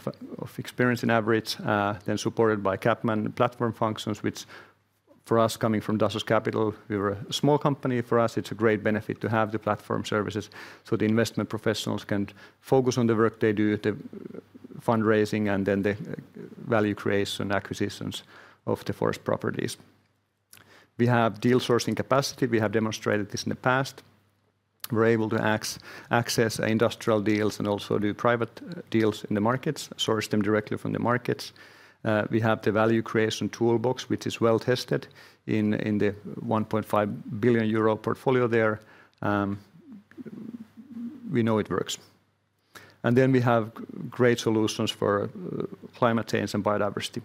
of experience on average, then supported by CapMan Platform Functions, which for us, coming from Dasos Capital, we were a small company. For us, it's a great benefit to have the platform services so the investment professionals can focus on the work they do, the fundraising, and then the value creation acquisitions of the forest properties. We have deal sourcing capacity. We have demonstrated this in the past. We're able to access industrial deals and also do private deals in the markets, source them directly from the markets. We have the Value Creation Toolbox, which is well tested in the 1.5 billion euro portfolio there. We know it works. We have great solutions for climate change and biodiversity.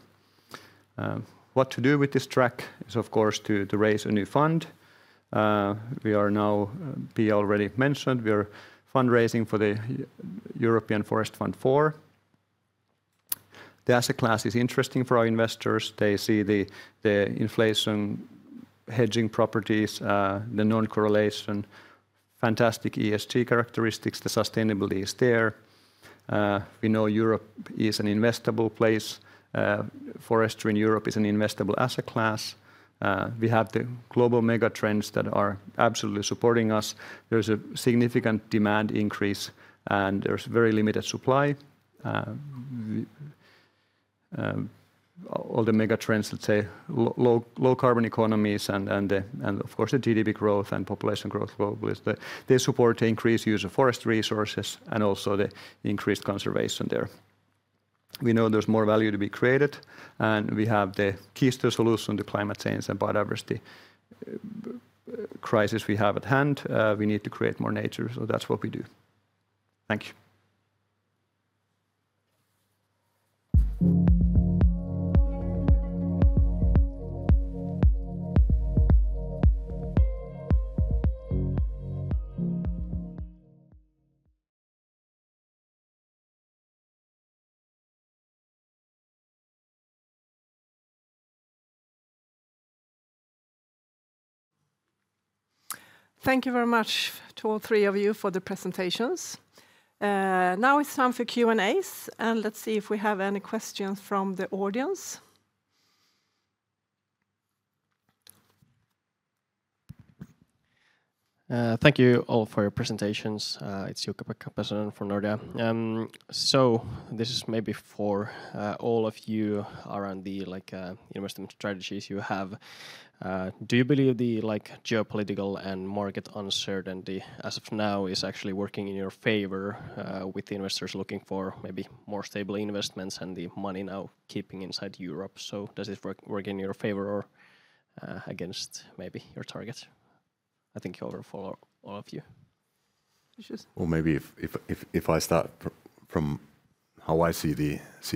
What to do with this track is, of course, to raise a new fund. We are now, Pia already mentioned, we are fundraising for the European Forest Fund IV. The asset class is interesting for our investors. They see the inflation hedging properties, the non-correlation, fantastic ESG characteristics. The sustainability is there. We know Europe is an investable place. Forestry in Europe is an investable asset class. We have the global mega trends that are absolutely supporting us. There is a significant demand increase and there is very limited supply. All the mega trends, let's say, low carbon economies and, of course, the GDP growth and population growth globally, they support increased use of forest resources and also the increased conservation there. We know there's more value to be created. We have the keystone solution to climate change and biodiversity crisis we have at hand. We need to create more nature. That's what we do. Thank you. Thank you very much to all three of you for the presentations. Now it's time for Q&As. Let's see if we have any questions from the audience. Thank you all for your presentations. It's Jukko-Pekka Pesonen from Nordea. This is maybe for all of you around the investment strategies you have. Do you believe the geopolitical and market uncertainty as of now is actually working in your favor with investors looking for maybe more stable investments and the money now keeping inside Europe? Does it work in your favor or against maybe your target? I think you'll follow all of you. Maybe if I start from how I see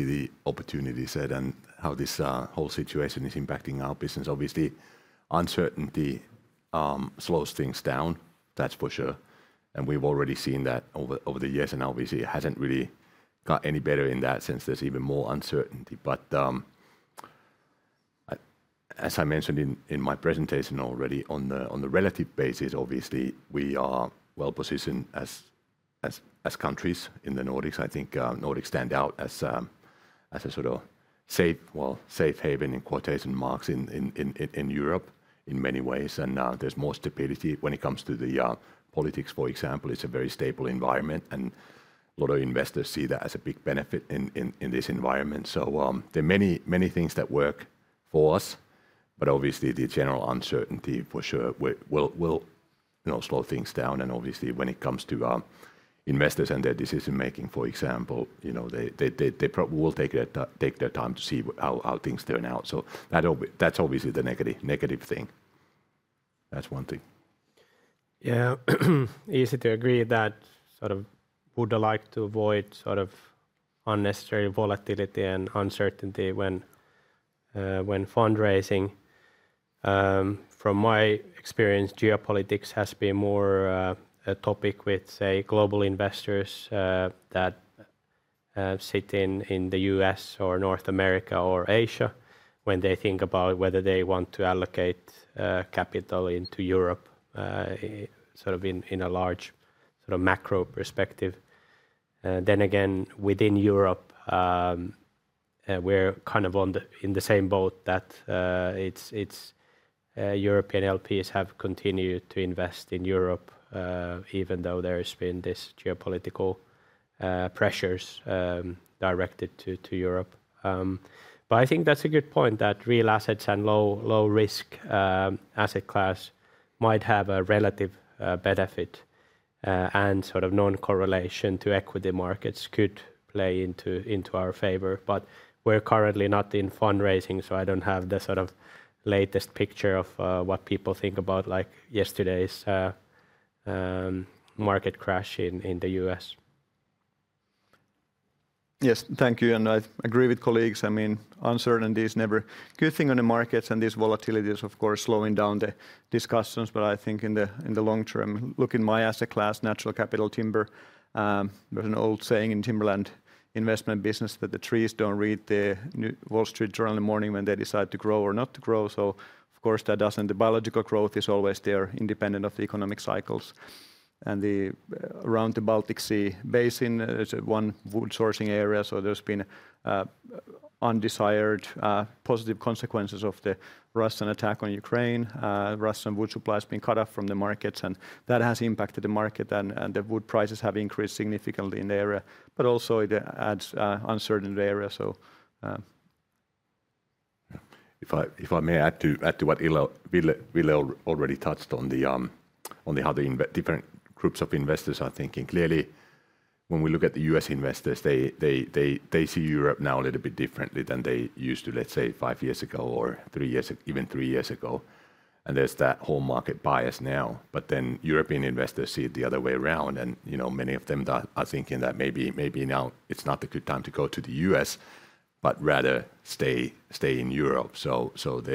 the opportunity set and how this whole situation is impacting our business. Obviously, uncertainty slows things down. That's for sure. We've already seen that over the years and it hasn't really got any better in that sense, there's even more uncertainty. As I mentioned in my presentation already, on the relative basis, we are well positioned as countries in the Nordics. I think Nordics stand out as a sort of safe haven in quotation marks in Europe in many ways. There is more stability when it comes to the politics, for example. It's a very stable environment. A lot of investors see that as a big benefit in this environment. There are many things that work for us. Obviously, the general uncertainty for sure will slow things down. Obviously when it comes to investors and their decision making, for example, they will take their time to see how things turn out. That is obviously the negative thing. That is one thing. Yeah, easy to agree that sort of would like to avoid sort of unnecessary volatility and uncertainty when fundraising. From my experience, geopolitics has been more a topic with, say, global investors that sit in the U.S. or North America or Asia when they think about whether they want to allocate capital into Europe sort of in a large sort of macro perspective. Then again, within Europe, we're kind of in the same boat that European LPs have continued to invest in Europe even though there has been this geopolitical pressures directed to Europe. I think that's a good point that real assets and low risk asset class might have a relative benefit and sort of non-correlation to equity markets could play into our favor. We're currently not in fundraising. I don't have the sort of latest picture of what people think about like yesterday's market crash in the U.S. Yes, thank you. I agree with colleagues. I mean, uncertainty is never a good thing on the markets. These volatilities, of course, slowing down the discussions. I think in the long term, looking at my asset class, natural capital, timber, there's an old saying in Timberland investment business that the trees do not read the Wall Street Journal in the morning when they decide to grow or not to grow. Of course, that does not, the biological growth is always there independent of the economic cycles. Around the Baltic Sea Basin, there's one wood sourcing area. There have been undesired positive consequences of the Russian attack on Ukraine. Russian wood supply has been cut off from the markets. That has impacted the market. The wood prices have increased significantly in the area, but also it adds uncertainty to the area. If I may add to what Ville already touched on, the other different groups of investors are thinking. Clearly, when we look at the U.S. investors, they see Europe now a little bit differently than they used to, let's say, five years ago or even three years ago. There is that whole market bias now. European investors see it the other way around. Many of them are thinking that maybe now it's not a good time to go to the U.S., but rather stay in Europe. There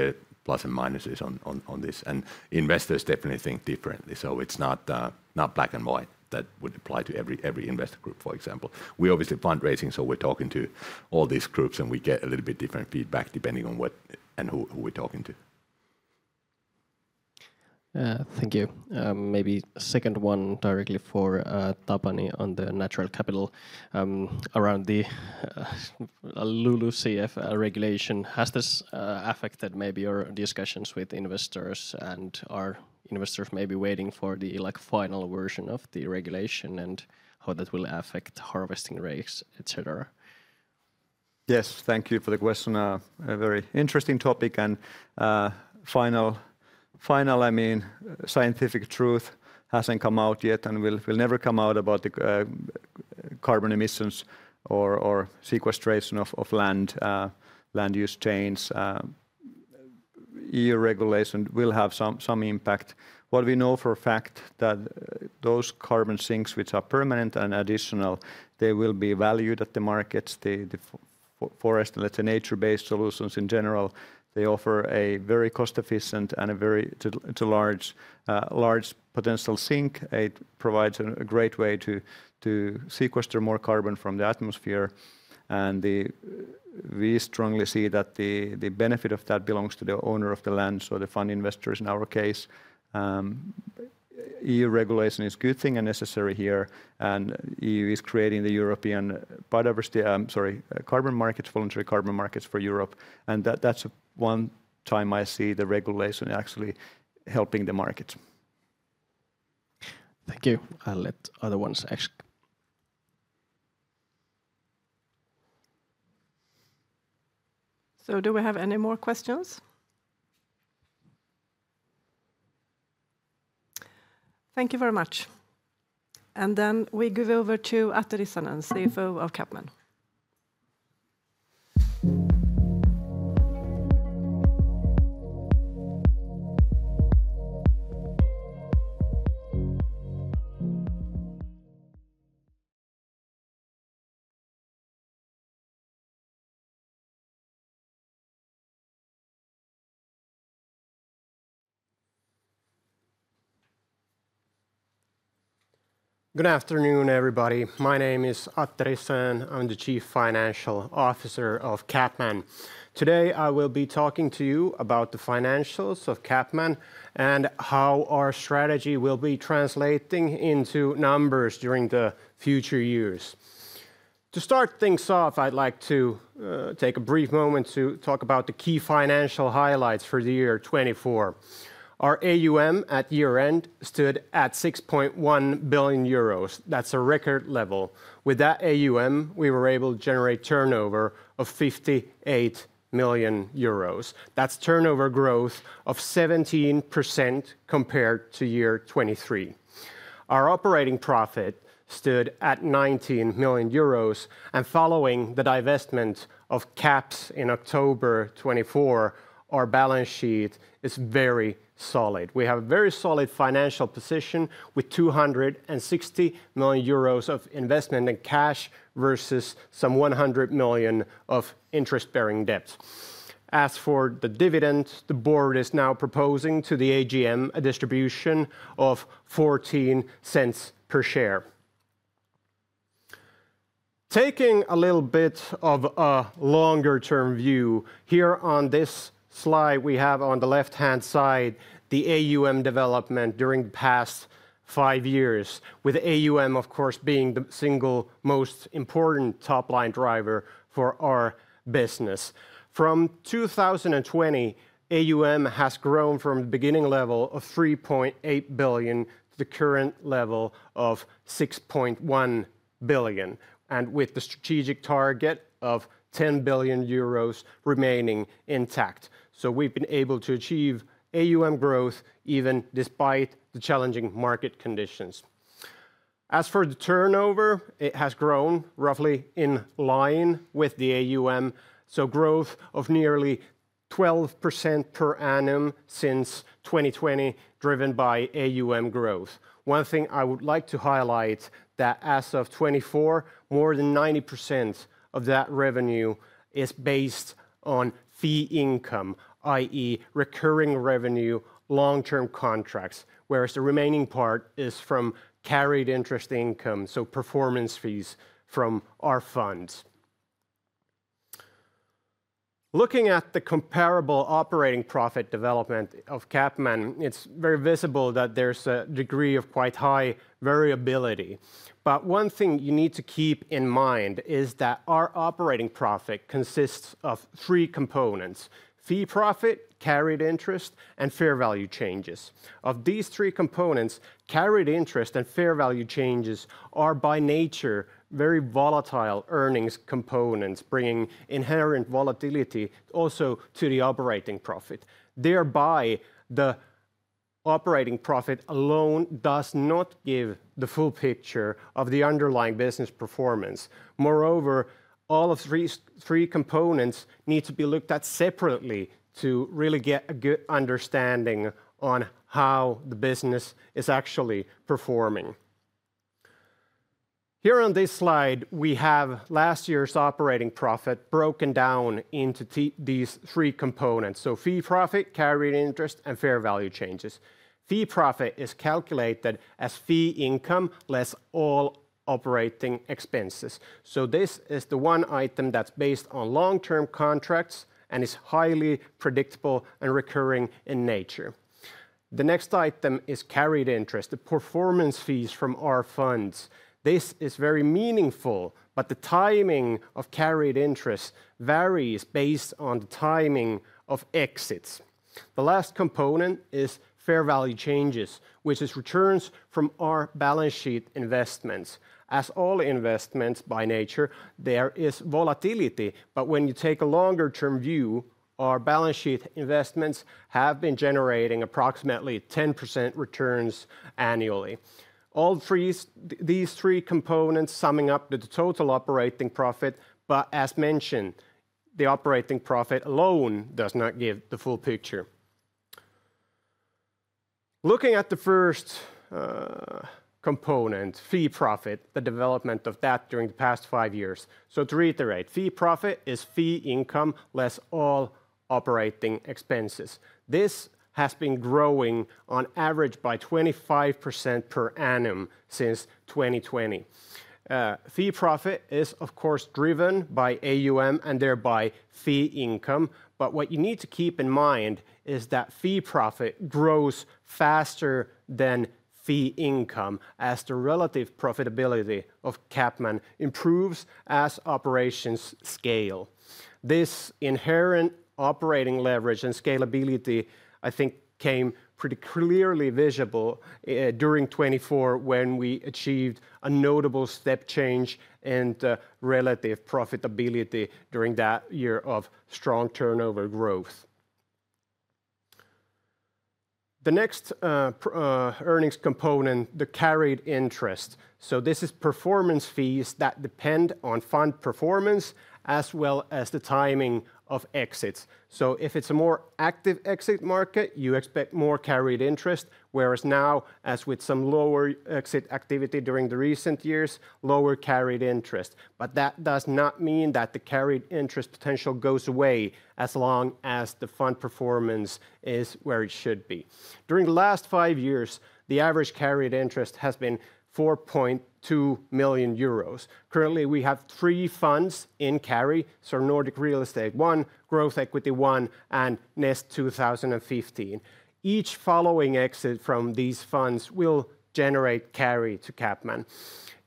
are plus and minuses on this. Investors definitely think differently. It's not black and white that would apply to every investor group, for example. We are obviously fundraising. We are talking to all these groups and we get a little bit different feedback depending on what and who we're talking to. Thank you. Maybe second one directly for Tapani on the natural capital around the LULUCF regulation. Has this affected maybe your discussions with investors and are investors maybe waiting for the final version of the regulation and how that will affect harvesting rates, etc.? Yes, thank you for the question. A very interesting topic. I mean, scientific truth hasn't come out yet and will never come out about the carbon emissions or sequestration of land, land use chains. EU regulation will have some impact. What we know for a fact is that those carbon sinks, which are permanent and additional, they will be valued at the markets. The forest, let's say, nature-based solutions in general, they offer a very cost-efficient and a very large potential sink. It provides a great way to sequester more carbon from the atmosphere. I mean, we strongly see that the benefit of that belongs to the owner of the land. So the fund investors in our case. EU regulation is a good thing and necessary here. EU is creating the European biodiversity, sorry, carbon markets, voluntary carbon markets for Europe. That's one time I see the regulation actually helping the markets. Thank you. I'll let other ones ask. Do we have any more questions? Thank you very much. And then we give over to Atte Rissanen, CFO of CapMan. Good afternoon, everybody. My name is Atte Rissanen. I'm the Chief Financial Officer of CapMan. Today, I will be talking to you about the financials of CapMan and how our strategy will be translating into numbers during the future years. To start things off, I'd like to take a brief moment to talk about the key financial highlights for the year 2024. Our AUM at year-end stood at 6.1 billion euros. That's a record level. With that AUM, we were able to generate turnover of 58 million euros. That's turnover growth of 17% compared to year 2023. Our operating profit stood at 19 million euros. Following the divestment of CaPS in October 2024, our balance sheet is very solid. We have a very solid financial position with 260 million euros of investment in cash versus some 100 million of interest-bearing debt. As for the dividend, the board is now proposing to the AGM a distribution of 0.14 per share. Taking a little bit of a longer-term view, here on this slide, we have on the left-hand side the AUM development during the past five years, with AUM, of course, being the single most important top-line driver for our business. From 2020, AUM has grown from the beginning level of 3.8 billion to the current level of 6.1 billion, and with the strategic target of 10 billion euros remaining intact. We have been able to achieve AUM growth even despite the challenging market conditions. As for the turnover, it has grown roughly in line with the AUM. Growth of nearly 12% per annum since 2020, driven by AUM growth. One thing I would like to highlight is that as of 2024, more than 90% of that revenue is based on fee income, i.e., recurring revenue, long-term contracts, whereas the remaining part is from Carried Interest Income, so performance fees from our funds. Looking at the comparable operating profit development of CapMan, it is very visible that there is a degree of quite high variability. One thing you need to keep in mind is that our operating profit consists of three components: Fee Profit, Carried Interest, and Fair Value Changes. Of these three components, Carried Interest and Fair Value Changes are by nature very volatile earnings components, bringing inherent volatility also to the operating profit. Thereby, the operating profit alone does not give the full picture of the underlying business performance. Moreover, all of three components need to be looked at separately to really get a good understanding on how the business is actually performing. Here on this slide, we have last year's operating profit broken down into these three components: Fee Profit, Carried Interest, and Fair Value Changes. Fee Profit is calculated as fee income less all operating expenses. This is the one item that's based on long-term contracts and is highly predictable and recurring in nature. The next item is Carried Interest, the performance fees from our funds. This is very meaningful, but the timing of Carried Interest varies based on the timing of exits. The last component is Fair Value Changes, which is returns from our balance sheet investments. As all investments by nature, there is volatility. When you take a longer-term view, our balance sheet investments have been generating approximately 10% returns annually. All these three components summing up the total operating profit, but as mentioned, the operating profit alone does not give the full picture. Looking at the first component, Fee Profit, the development of that during the past five years. To reiterate, Fee Profit is fee income less all operating expenses. This has been growing on average by 25% per annum since 2020. Fee Profit is, of course, driven by AUM and thereby fee income. What you need to keep in mind is that Fee Profit grows faster than fee income as the relative profitability of CapMan improves as operations scale. This inherent operating leverage and scalability, I think, came pretty clearly visible during 2024 when we achieved a notable step change in the relative profitability during that year of strong turnover growth. The next earnings component, the Carried Interest. This is performance fees that depend on fund performance as well as the timing of exits. If it is a more active exit market, you expect more Carried Interest, whereas now, as with some lower exit activity during the recent years, lower Carried Interest. That does not mean that the Carried Interest potential goes away as long as the fund performance is where it should be. During the last five years, the average Carried Interest has been 4.2 million euros. Currently, we have three funds in Carried, so Nordic Real Estate 1, Growth Equity One, and Nest 2015. Each following exit from these funds will generate carry to CapMan.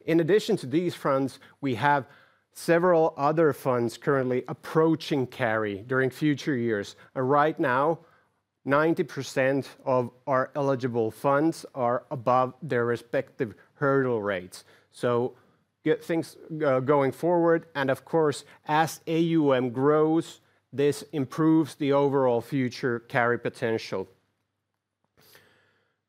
In addition to these funds, we have several other funds currently approaching carry during future years. Right now, 90% of our eligible funds are above their respective hurdle rates. Good things going forward. Of course, as AUM grows, this improves the overall future carry potential.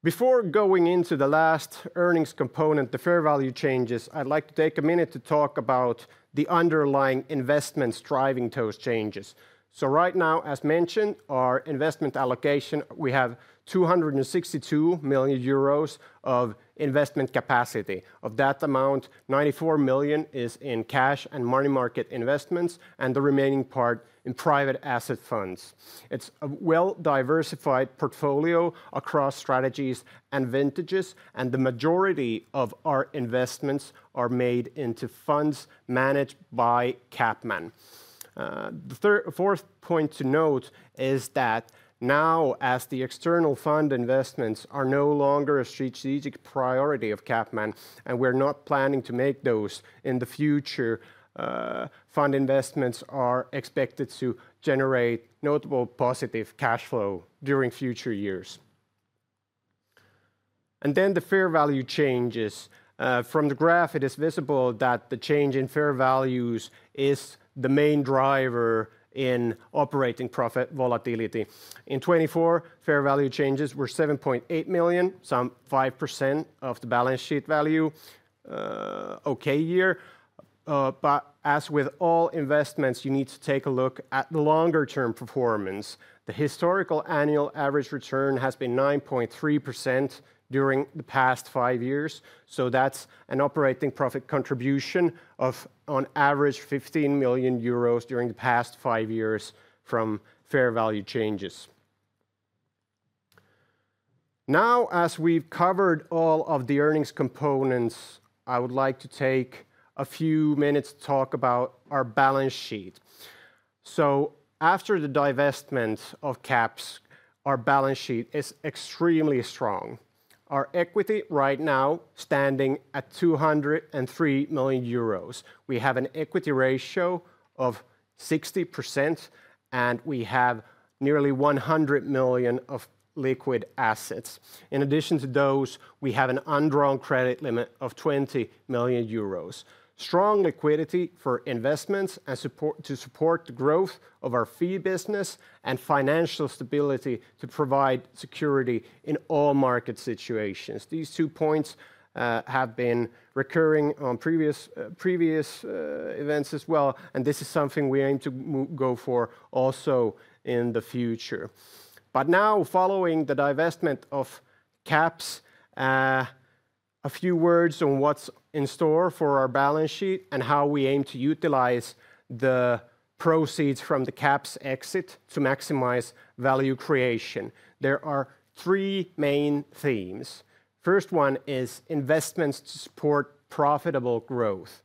Before going into the last earnings component, the Fair Value Changes, I'd like to take a minute to talk about the underlying investments driving those changes. Right now, as mentioned, our investment allocation, we have 262 million euros of investment capacity. Of that amount, 94 million is in Cash and Money Market investments, and the remaining part in private asset funds. It's a well-diversified portfolio across strategies and vintages, and the majority of our investments are made into funds managed by CapMan. The fourth point to note is that now, as the external fund investments are no longer a strategic priority of CapMan, and we're not planning to make those in the future, fund investments are expected to generate notable positive cash flow during future years. Then the Fair Value Changes. From the graph, it is visible that the change in fair values is the main driver in operating profit volatility. In 2024, Fair Value Changes were 7.8 million, some 5% of the balance sheet value, okay year. As with all investments, you need to take a look at the longer-term performance. The historical annual average return has been 9.3% during the past five years. That is an operating profit contribution of on average 15 million euros during the past five years from Fair Value Changes. Now, as we have covered all of the earnings components, I would like to take a few minutes to talk about our balance sheet. After the divestment of CaPS, our balance sheet is extremely strong. Our equity right now is standing at 203 million euros. We have an equity ratio of 60%, and we have nearly 100 million of liquid assets. In addition to those, we have an undrawn credit limit of 20 million euros. Strong liquidity for investments and support to support the growth of our fee business and financial stability to provide security in all market situations. These two points have been recurring on previous events as well, and this is something we aim to go for also in the future. Now, following the divestment of CaPS, a few words on what's in store for our balance sheet and how we aim to utilize the proceeds from the CaPS exit to maximize value creation. There are three main themes. First one is investments to support profitable growth.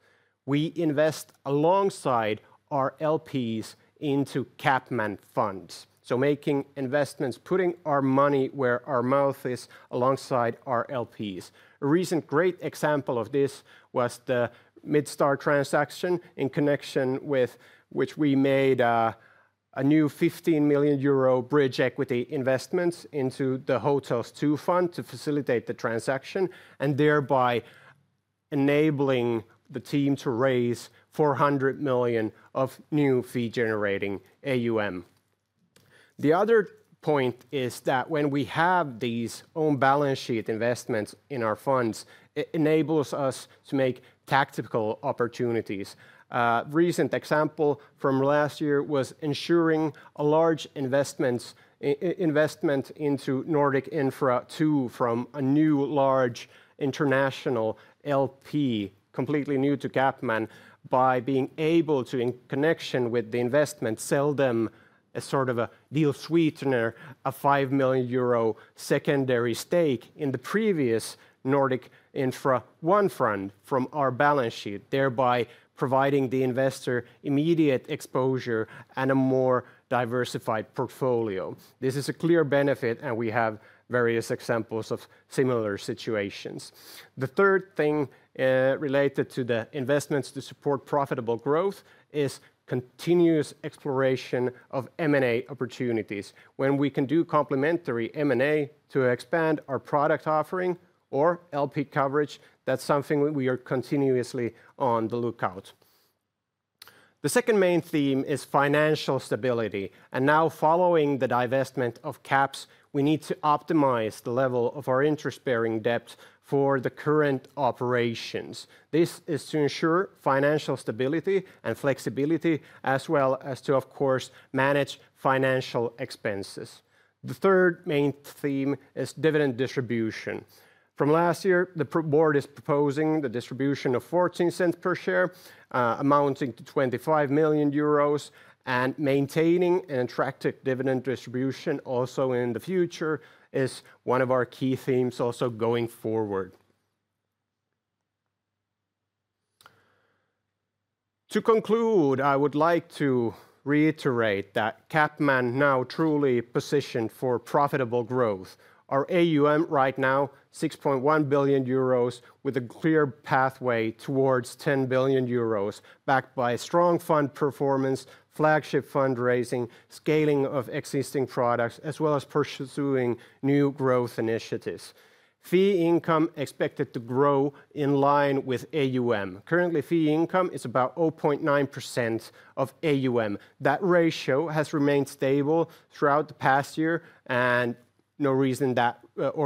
We invest alongside our LPs into CapMan funds. So making investments, putting our money where our mouth is alongside our LPs. A recent great example of this was the Midstar transaction in connection with which we made a new 15 million euro bridge equity investment into the Hotels II fund to facilitate the transaction and thereby enabling the team to raise 400 million of new fee-generating AUM. The other point is that when we have these own balance sheet investments in our funds, it enables us to make tactical opportunities. A recent example from last year was ensuring a large investment into Nordic Infrastructure II from a new large international LP, completely new to CapMan, by being able to, in connection with the investment, sell them a sort of a deal sweetener, a 5 million euro secondary stake in the previous Nordic Infrastructure I fund from our balance sheet, thereby providing the investor immediate exposure and a more diversified portfolio. This is a clear benefit, and we have various examples of similar situations. The third thing related to the investments to support profitable growth is continuous exploration of M&A opportunities. When we can do complementary M&A to expand our product offering or LP coverage, that's something we are continuously on the lookout. The second main theme is financial stability. Now, following the divestment of CaPS, we need to optimize the level of our interest-bearing debt for the current operations. This is to ensure financial stability and flexibility, as well as to, of course, manage financial expenses. The third main theme is dividend distribution. From last year, the board is proposing the distribution of 0.14 per share, amounting to 25 million euros, and maintaining an attractive dividend distribution also in the future is one of our key themes also going forward. To conclude, I would like to reiterate that CapMan now truly positioned for profitable growth. Our AUM right now is 6.1 billion euros, with a clear pathway towards 10 billion euros, backed by strong fund performance, flagship fundraising, scaling of existing products, as well as pursuing new growth initiatives. Fee income is expected to grow in line with AUM. Currently, fee income is about 0.9% of AUM. That ratio has remained stable throughout the past year, and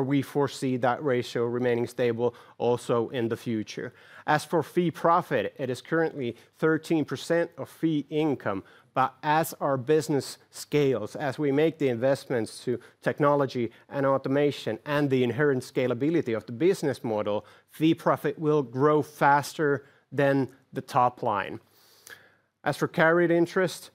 we foresee that ratio remaining stable also in the future. As for Fee Profit, it is currently 13% of fee income, but as our business scales, as we make the investments to technology and automation and the inherent scalability of the business model, Fee Profit will grow faster than the top line. As for Carried Interest,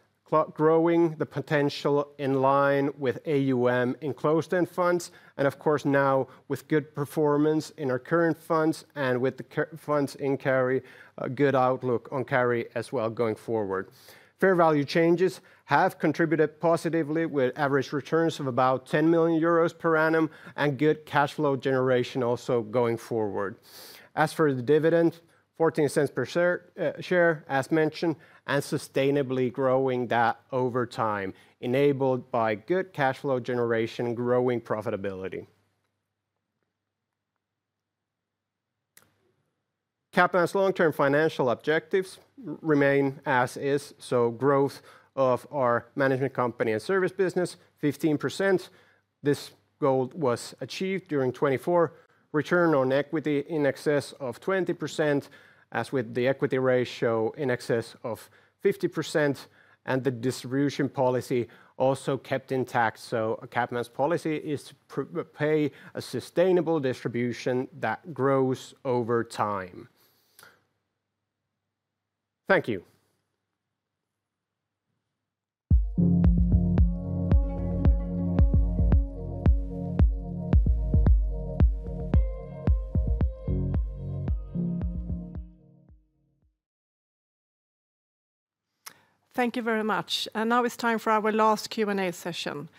growing the potential in line with AUM in closed-end funds, and of course now with good performance in our current funds and with the funds in carry, a good outlook on carry as well going forward. Fair Value Changes have contributed positively with average returns of about 10 million euros per annum and good cash flow generation also going forward. As for the dividend, 0.14 per share, as mentioned, and sustainably growing that over time, enabled by good cash flow generation, growing profitability. CapMan's long-term financial objectives remain as is, so growth of our management company and service business, 15%. This goal was achieved during 2024. Return on equity in excess of 20%, as with the equity ratio in excess of 50%, and the distribution policy also kept intact. CapMan's policy is to pay a sustainable distribution that grows over time. Thank you. Thank you very much. Now it's time for our last Q&A session.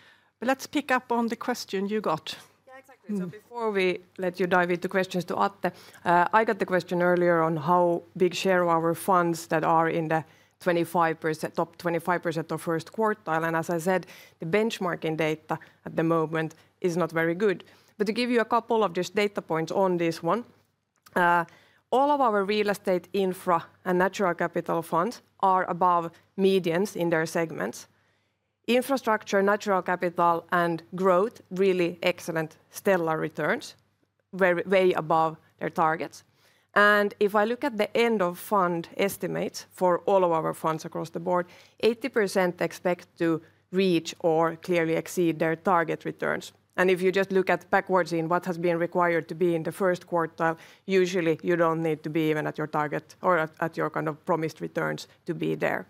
Let's pick up on the question you got. Yeah, exactly. Before we let you dive into questions to Atte, I got the question earlier on how big share of our funds that are in the top 25% of first quartile. As I said, the benchmarking data at the moment is not very good. To give you a couple of just data points on this one, all of our Real Estate, Infra, and Natural Capital funds are above medians in their segments. Infrastructure, Natural Capital, and Growth, really excellent stellar returns, way above their targets. If I look at the end-of-fund estimates for all of our funds across the board, 80% expect to reach or clearly exceed their target returns. If you just look at backwards in what has been required to be in the first quartile, usually you do not need to be even at your target or at your kind of promised returns to be there.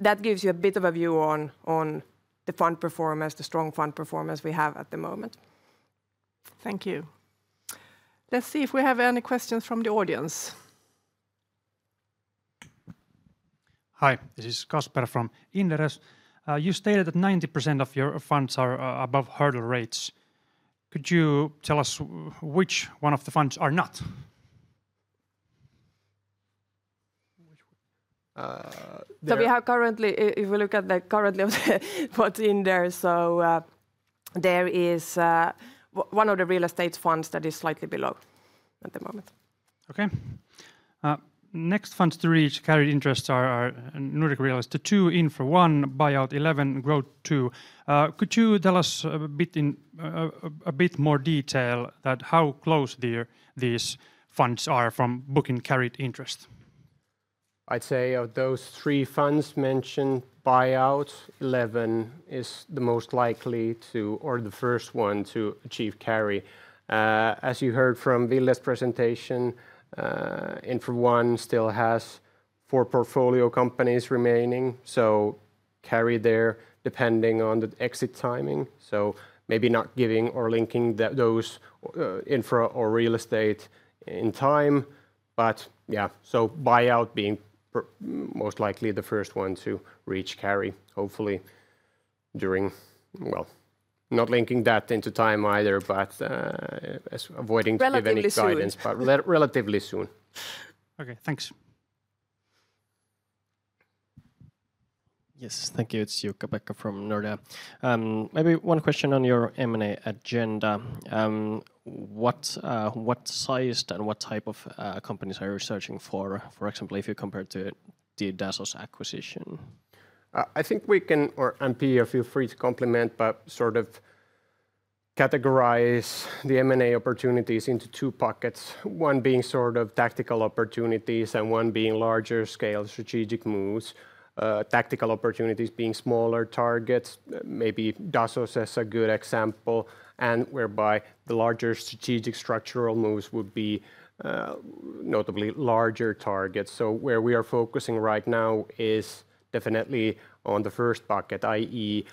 That gives you a bit of a view on the fund performance, the strong fund performance we have at the moment. Thank you. Let's see if we have any questions from the audience. Hi, this is Kasper from Inderes. You stated that 90% of your funds are above hurdle rates. Could you tell us which one of the funds are not? We have currently, if we look at the currently of what's in there, there is one of the real estate funds that is slightly below at the moment. Okay. Next funds to reach Carried Interest are Nordic Real Estate II, Infra I, Buyout XI, Growth II. Could you tell us a bit in a bit more detail that how close these funds are from booking Carried Interest? I'd say of those three funds mentioned, Buyout XI is the most likely to, or the first one to achieve carry. As you heard from the list presentation, Infra I still has four portfolio companies remaining, so carry there depending on the exit timing. Maybe not giving or linking those infra or real estate in time, but yeah, Buyout being most likely the first one to reach carry, hopefully during, not linking that into time either, but avoiding too heavy of a guidance, but relatively soon. Okay, thanks. Yes, thank you. It's Jukka-Pekka Pesonen from Nordea. Maybe one question on your M&A agenda. What size and what type of companies are you researching for, for example, if you compare to the Dasos acquisition? I think we can, or NPO, feel free to compliment, but sort of categorize the M&A opportunities into two pockets, one being sort of tactical opportunities and one being larger scale strategic moves. Tactical opportunities being smaller targets, maybe Dasos is a good example, and whereby the larger strategic structural moves would be notably larger targets. Where we are focusing right now is definitely on the first bucket, i.e.,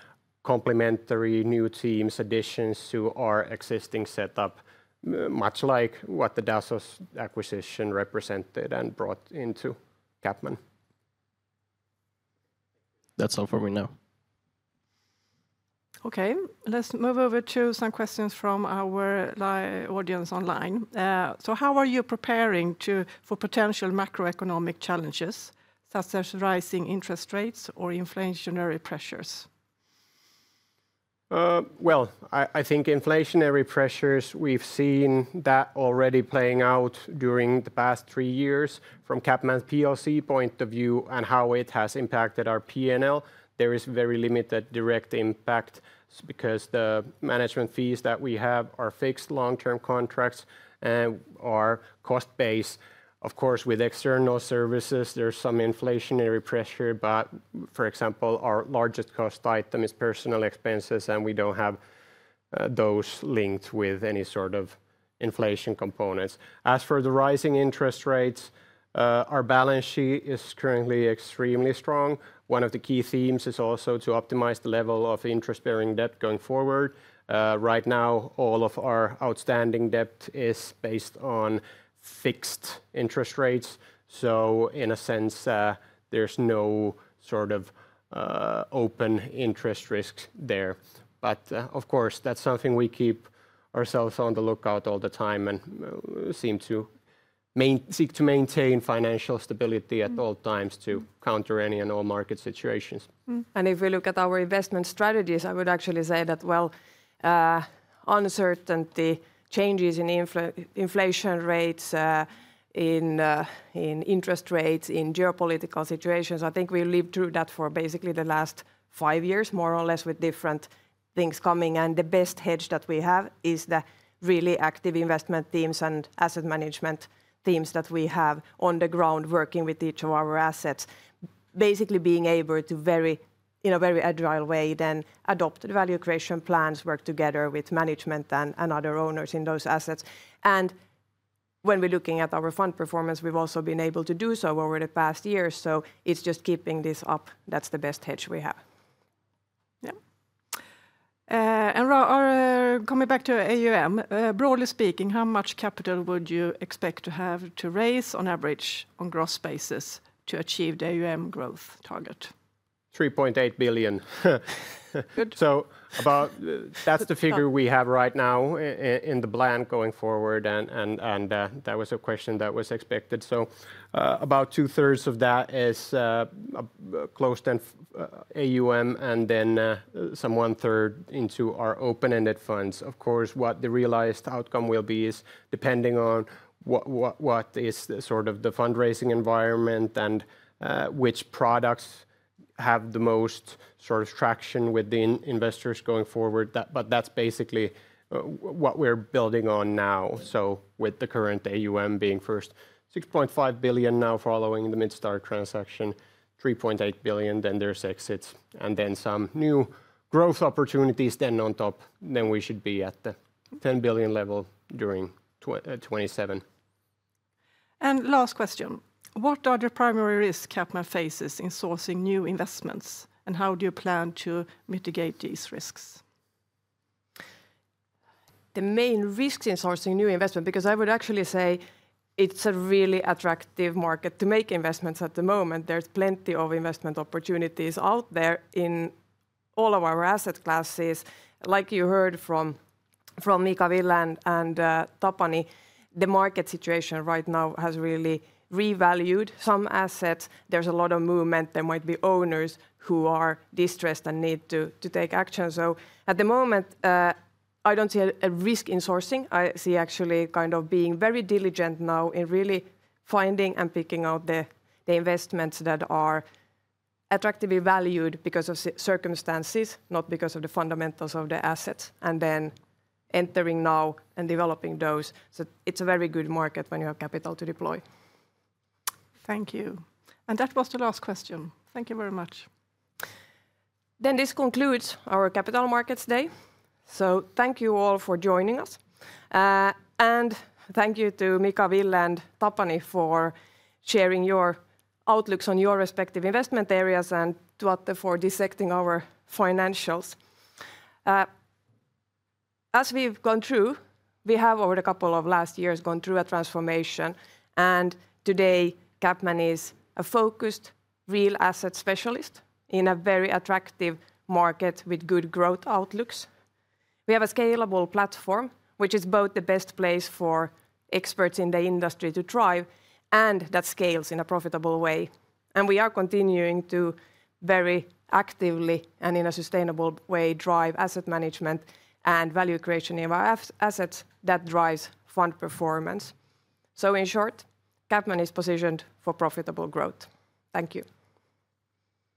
complementary new teams, additions to our existing setup, much like what the Dasos acquisition represented and brought into CapMan. That's all for me now. Okay, let's move over to some questions from our audience online. How are you preparing for potential macroeconomic challenges such as rising interest rates or inflationary pressures? I think inflationary pressures, we've seen that already playing out during the past three years from CapMan's POC point of view and how it has impacted our P&L. There is very limited direct impact because the management fees that we have are fixed long-term contracts and are cost-based. Of course, with external services, there's some inflationary pressure, but for example, our largest cost item is personnel expenses and we don't have those linked with any sort of inflation components. As for the rising interest rates, our balance sheet is currently extremely strong. One of the key themes is also to optimize the level of interest-bearing debt going forward. Right now, all of our outstanding debt is based on fixed interest rates. In a sense, there's no sort of open interest risk there. Of course, that's something we keep ourselves on the lookout all the time and seek to maintain financial stability at all times to counter any and all market situations. If we look at our investment strategies, I would actually say that uncertainty, changes in inflation rates, in interest rates, in geopolitical situations, I think we lived through that for basically the last five years, more or less with different things coming. The best hedge that we have is the really active investment teams and asset management teams that we have on the ground working with each of our assets, basically being able to, in a very agile way, then adopt the value creation plans, work together with management and other owners in those assets. When we're looking at our fund performance, we've also been able to do so over the past year. It is just keeping this up. That is the best hedge we have. Yeah. Coming back to AUM, broadly speaking, how much capital would you expect to have to raise on average on a gross basis to achieve the AUM growth target? 3.8 billion. That is the figure we have right now in the blank going forward, and that was a question that was expected. About two-thirds of that is close to AUM and then one-third into our open-ended funds. Of course, what the realized outcome will be is depending on what is sort of the fundraising environment and which products have the most sort of traction with the investors going forward. That is basically what we are building on now. With the current AUM being first 6.5 billion now following the Midstar transaction, 3.8 billion, then there are exits, and then some new growth opportunities on top, we should be at the 10 billion level during 2027. Last question, what are the primary risks CapMan faces in sourcing new investments, and how do you plan to mitigate these risks? The main risks in sourcing new investment, because I would actually say it's a really attractive market to make investments at the moment. There's plenty of investment opportunities out there in all of our asset classes. Like you heard from Mika, Ville, and Tapani, the market situation right now has really revalued some assets. There's a lot of movement. There might be owners who are distressed and need to take action. At the moment, I don't see a risk in sourcing. I see actually kind of being very diligent now in really finding and picking out the investments that are attractively valued because of circumstances, not because of the fundamentals of the assets, and then entering now and developing those. It's a very good market when you have capital to deploy. Thank you. That was the last question. Thank you very much. This concludes our Capital Markets Day. Thank you all for joining us. Thank you to Mika, Ville, and Tapani for sharing your outlooks on your respective investment areas and to Atte for dissecting our financials. As we've gone through, we have over the couple of last years gone through a transformation. Today, CapMan is a focused Real Asset Specialist in a very attractive market with good growth outlooks. We have a scalable platform, which is both the best place for experts in the industry to thrive, and that scales in a profitable way. We are continuing to very actively and in a sustainable way drive asset management and value creation in our assets that drives fund performance. In short, CapMan is positioned for profitable growth. Thank you.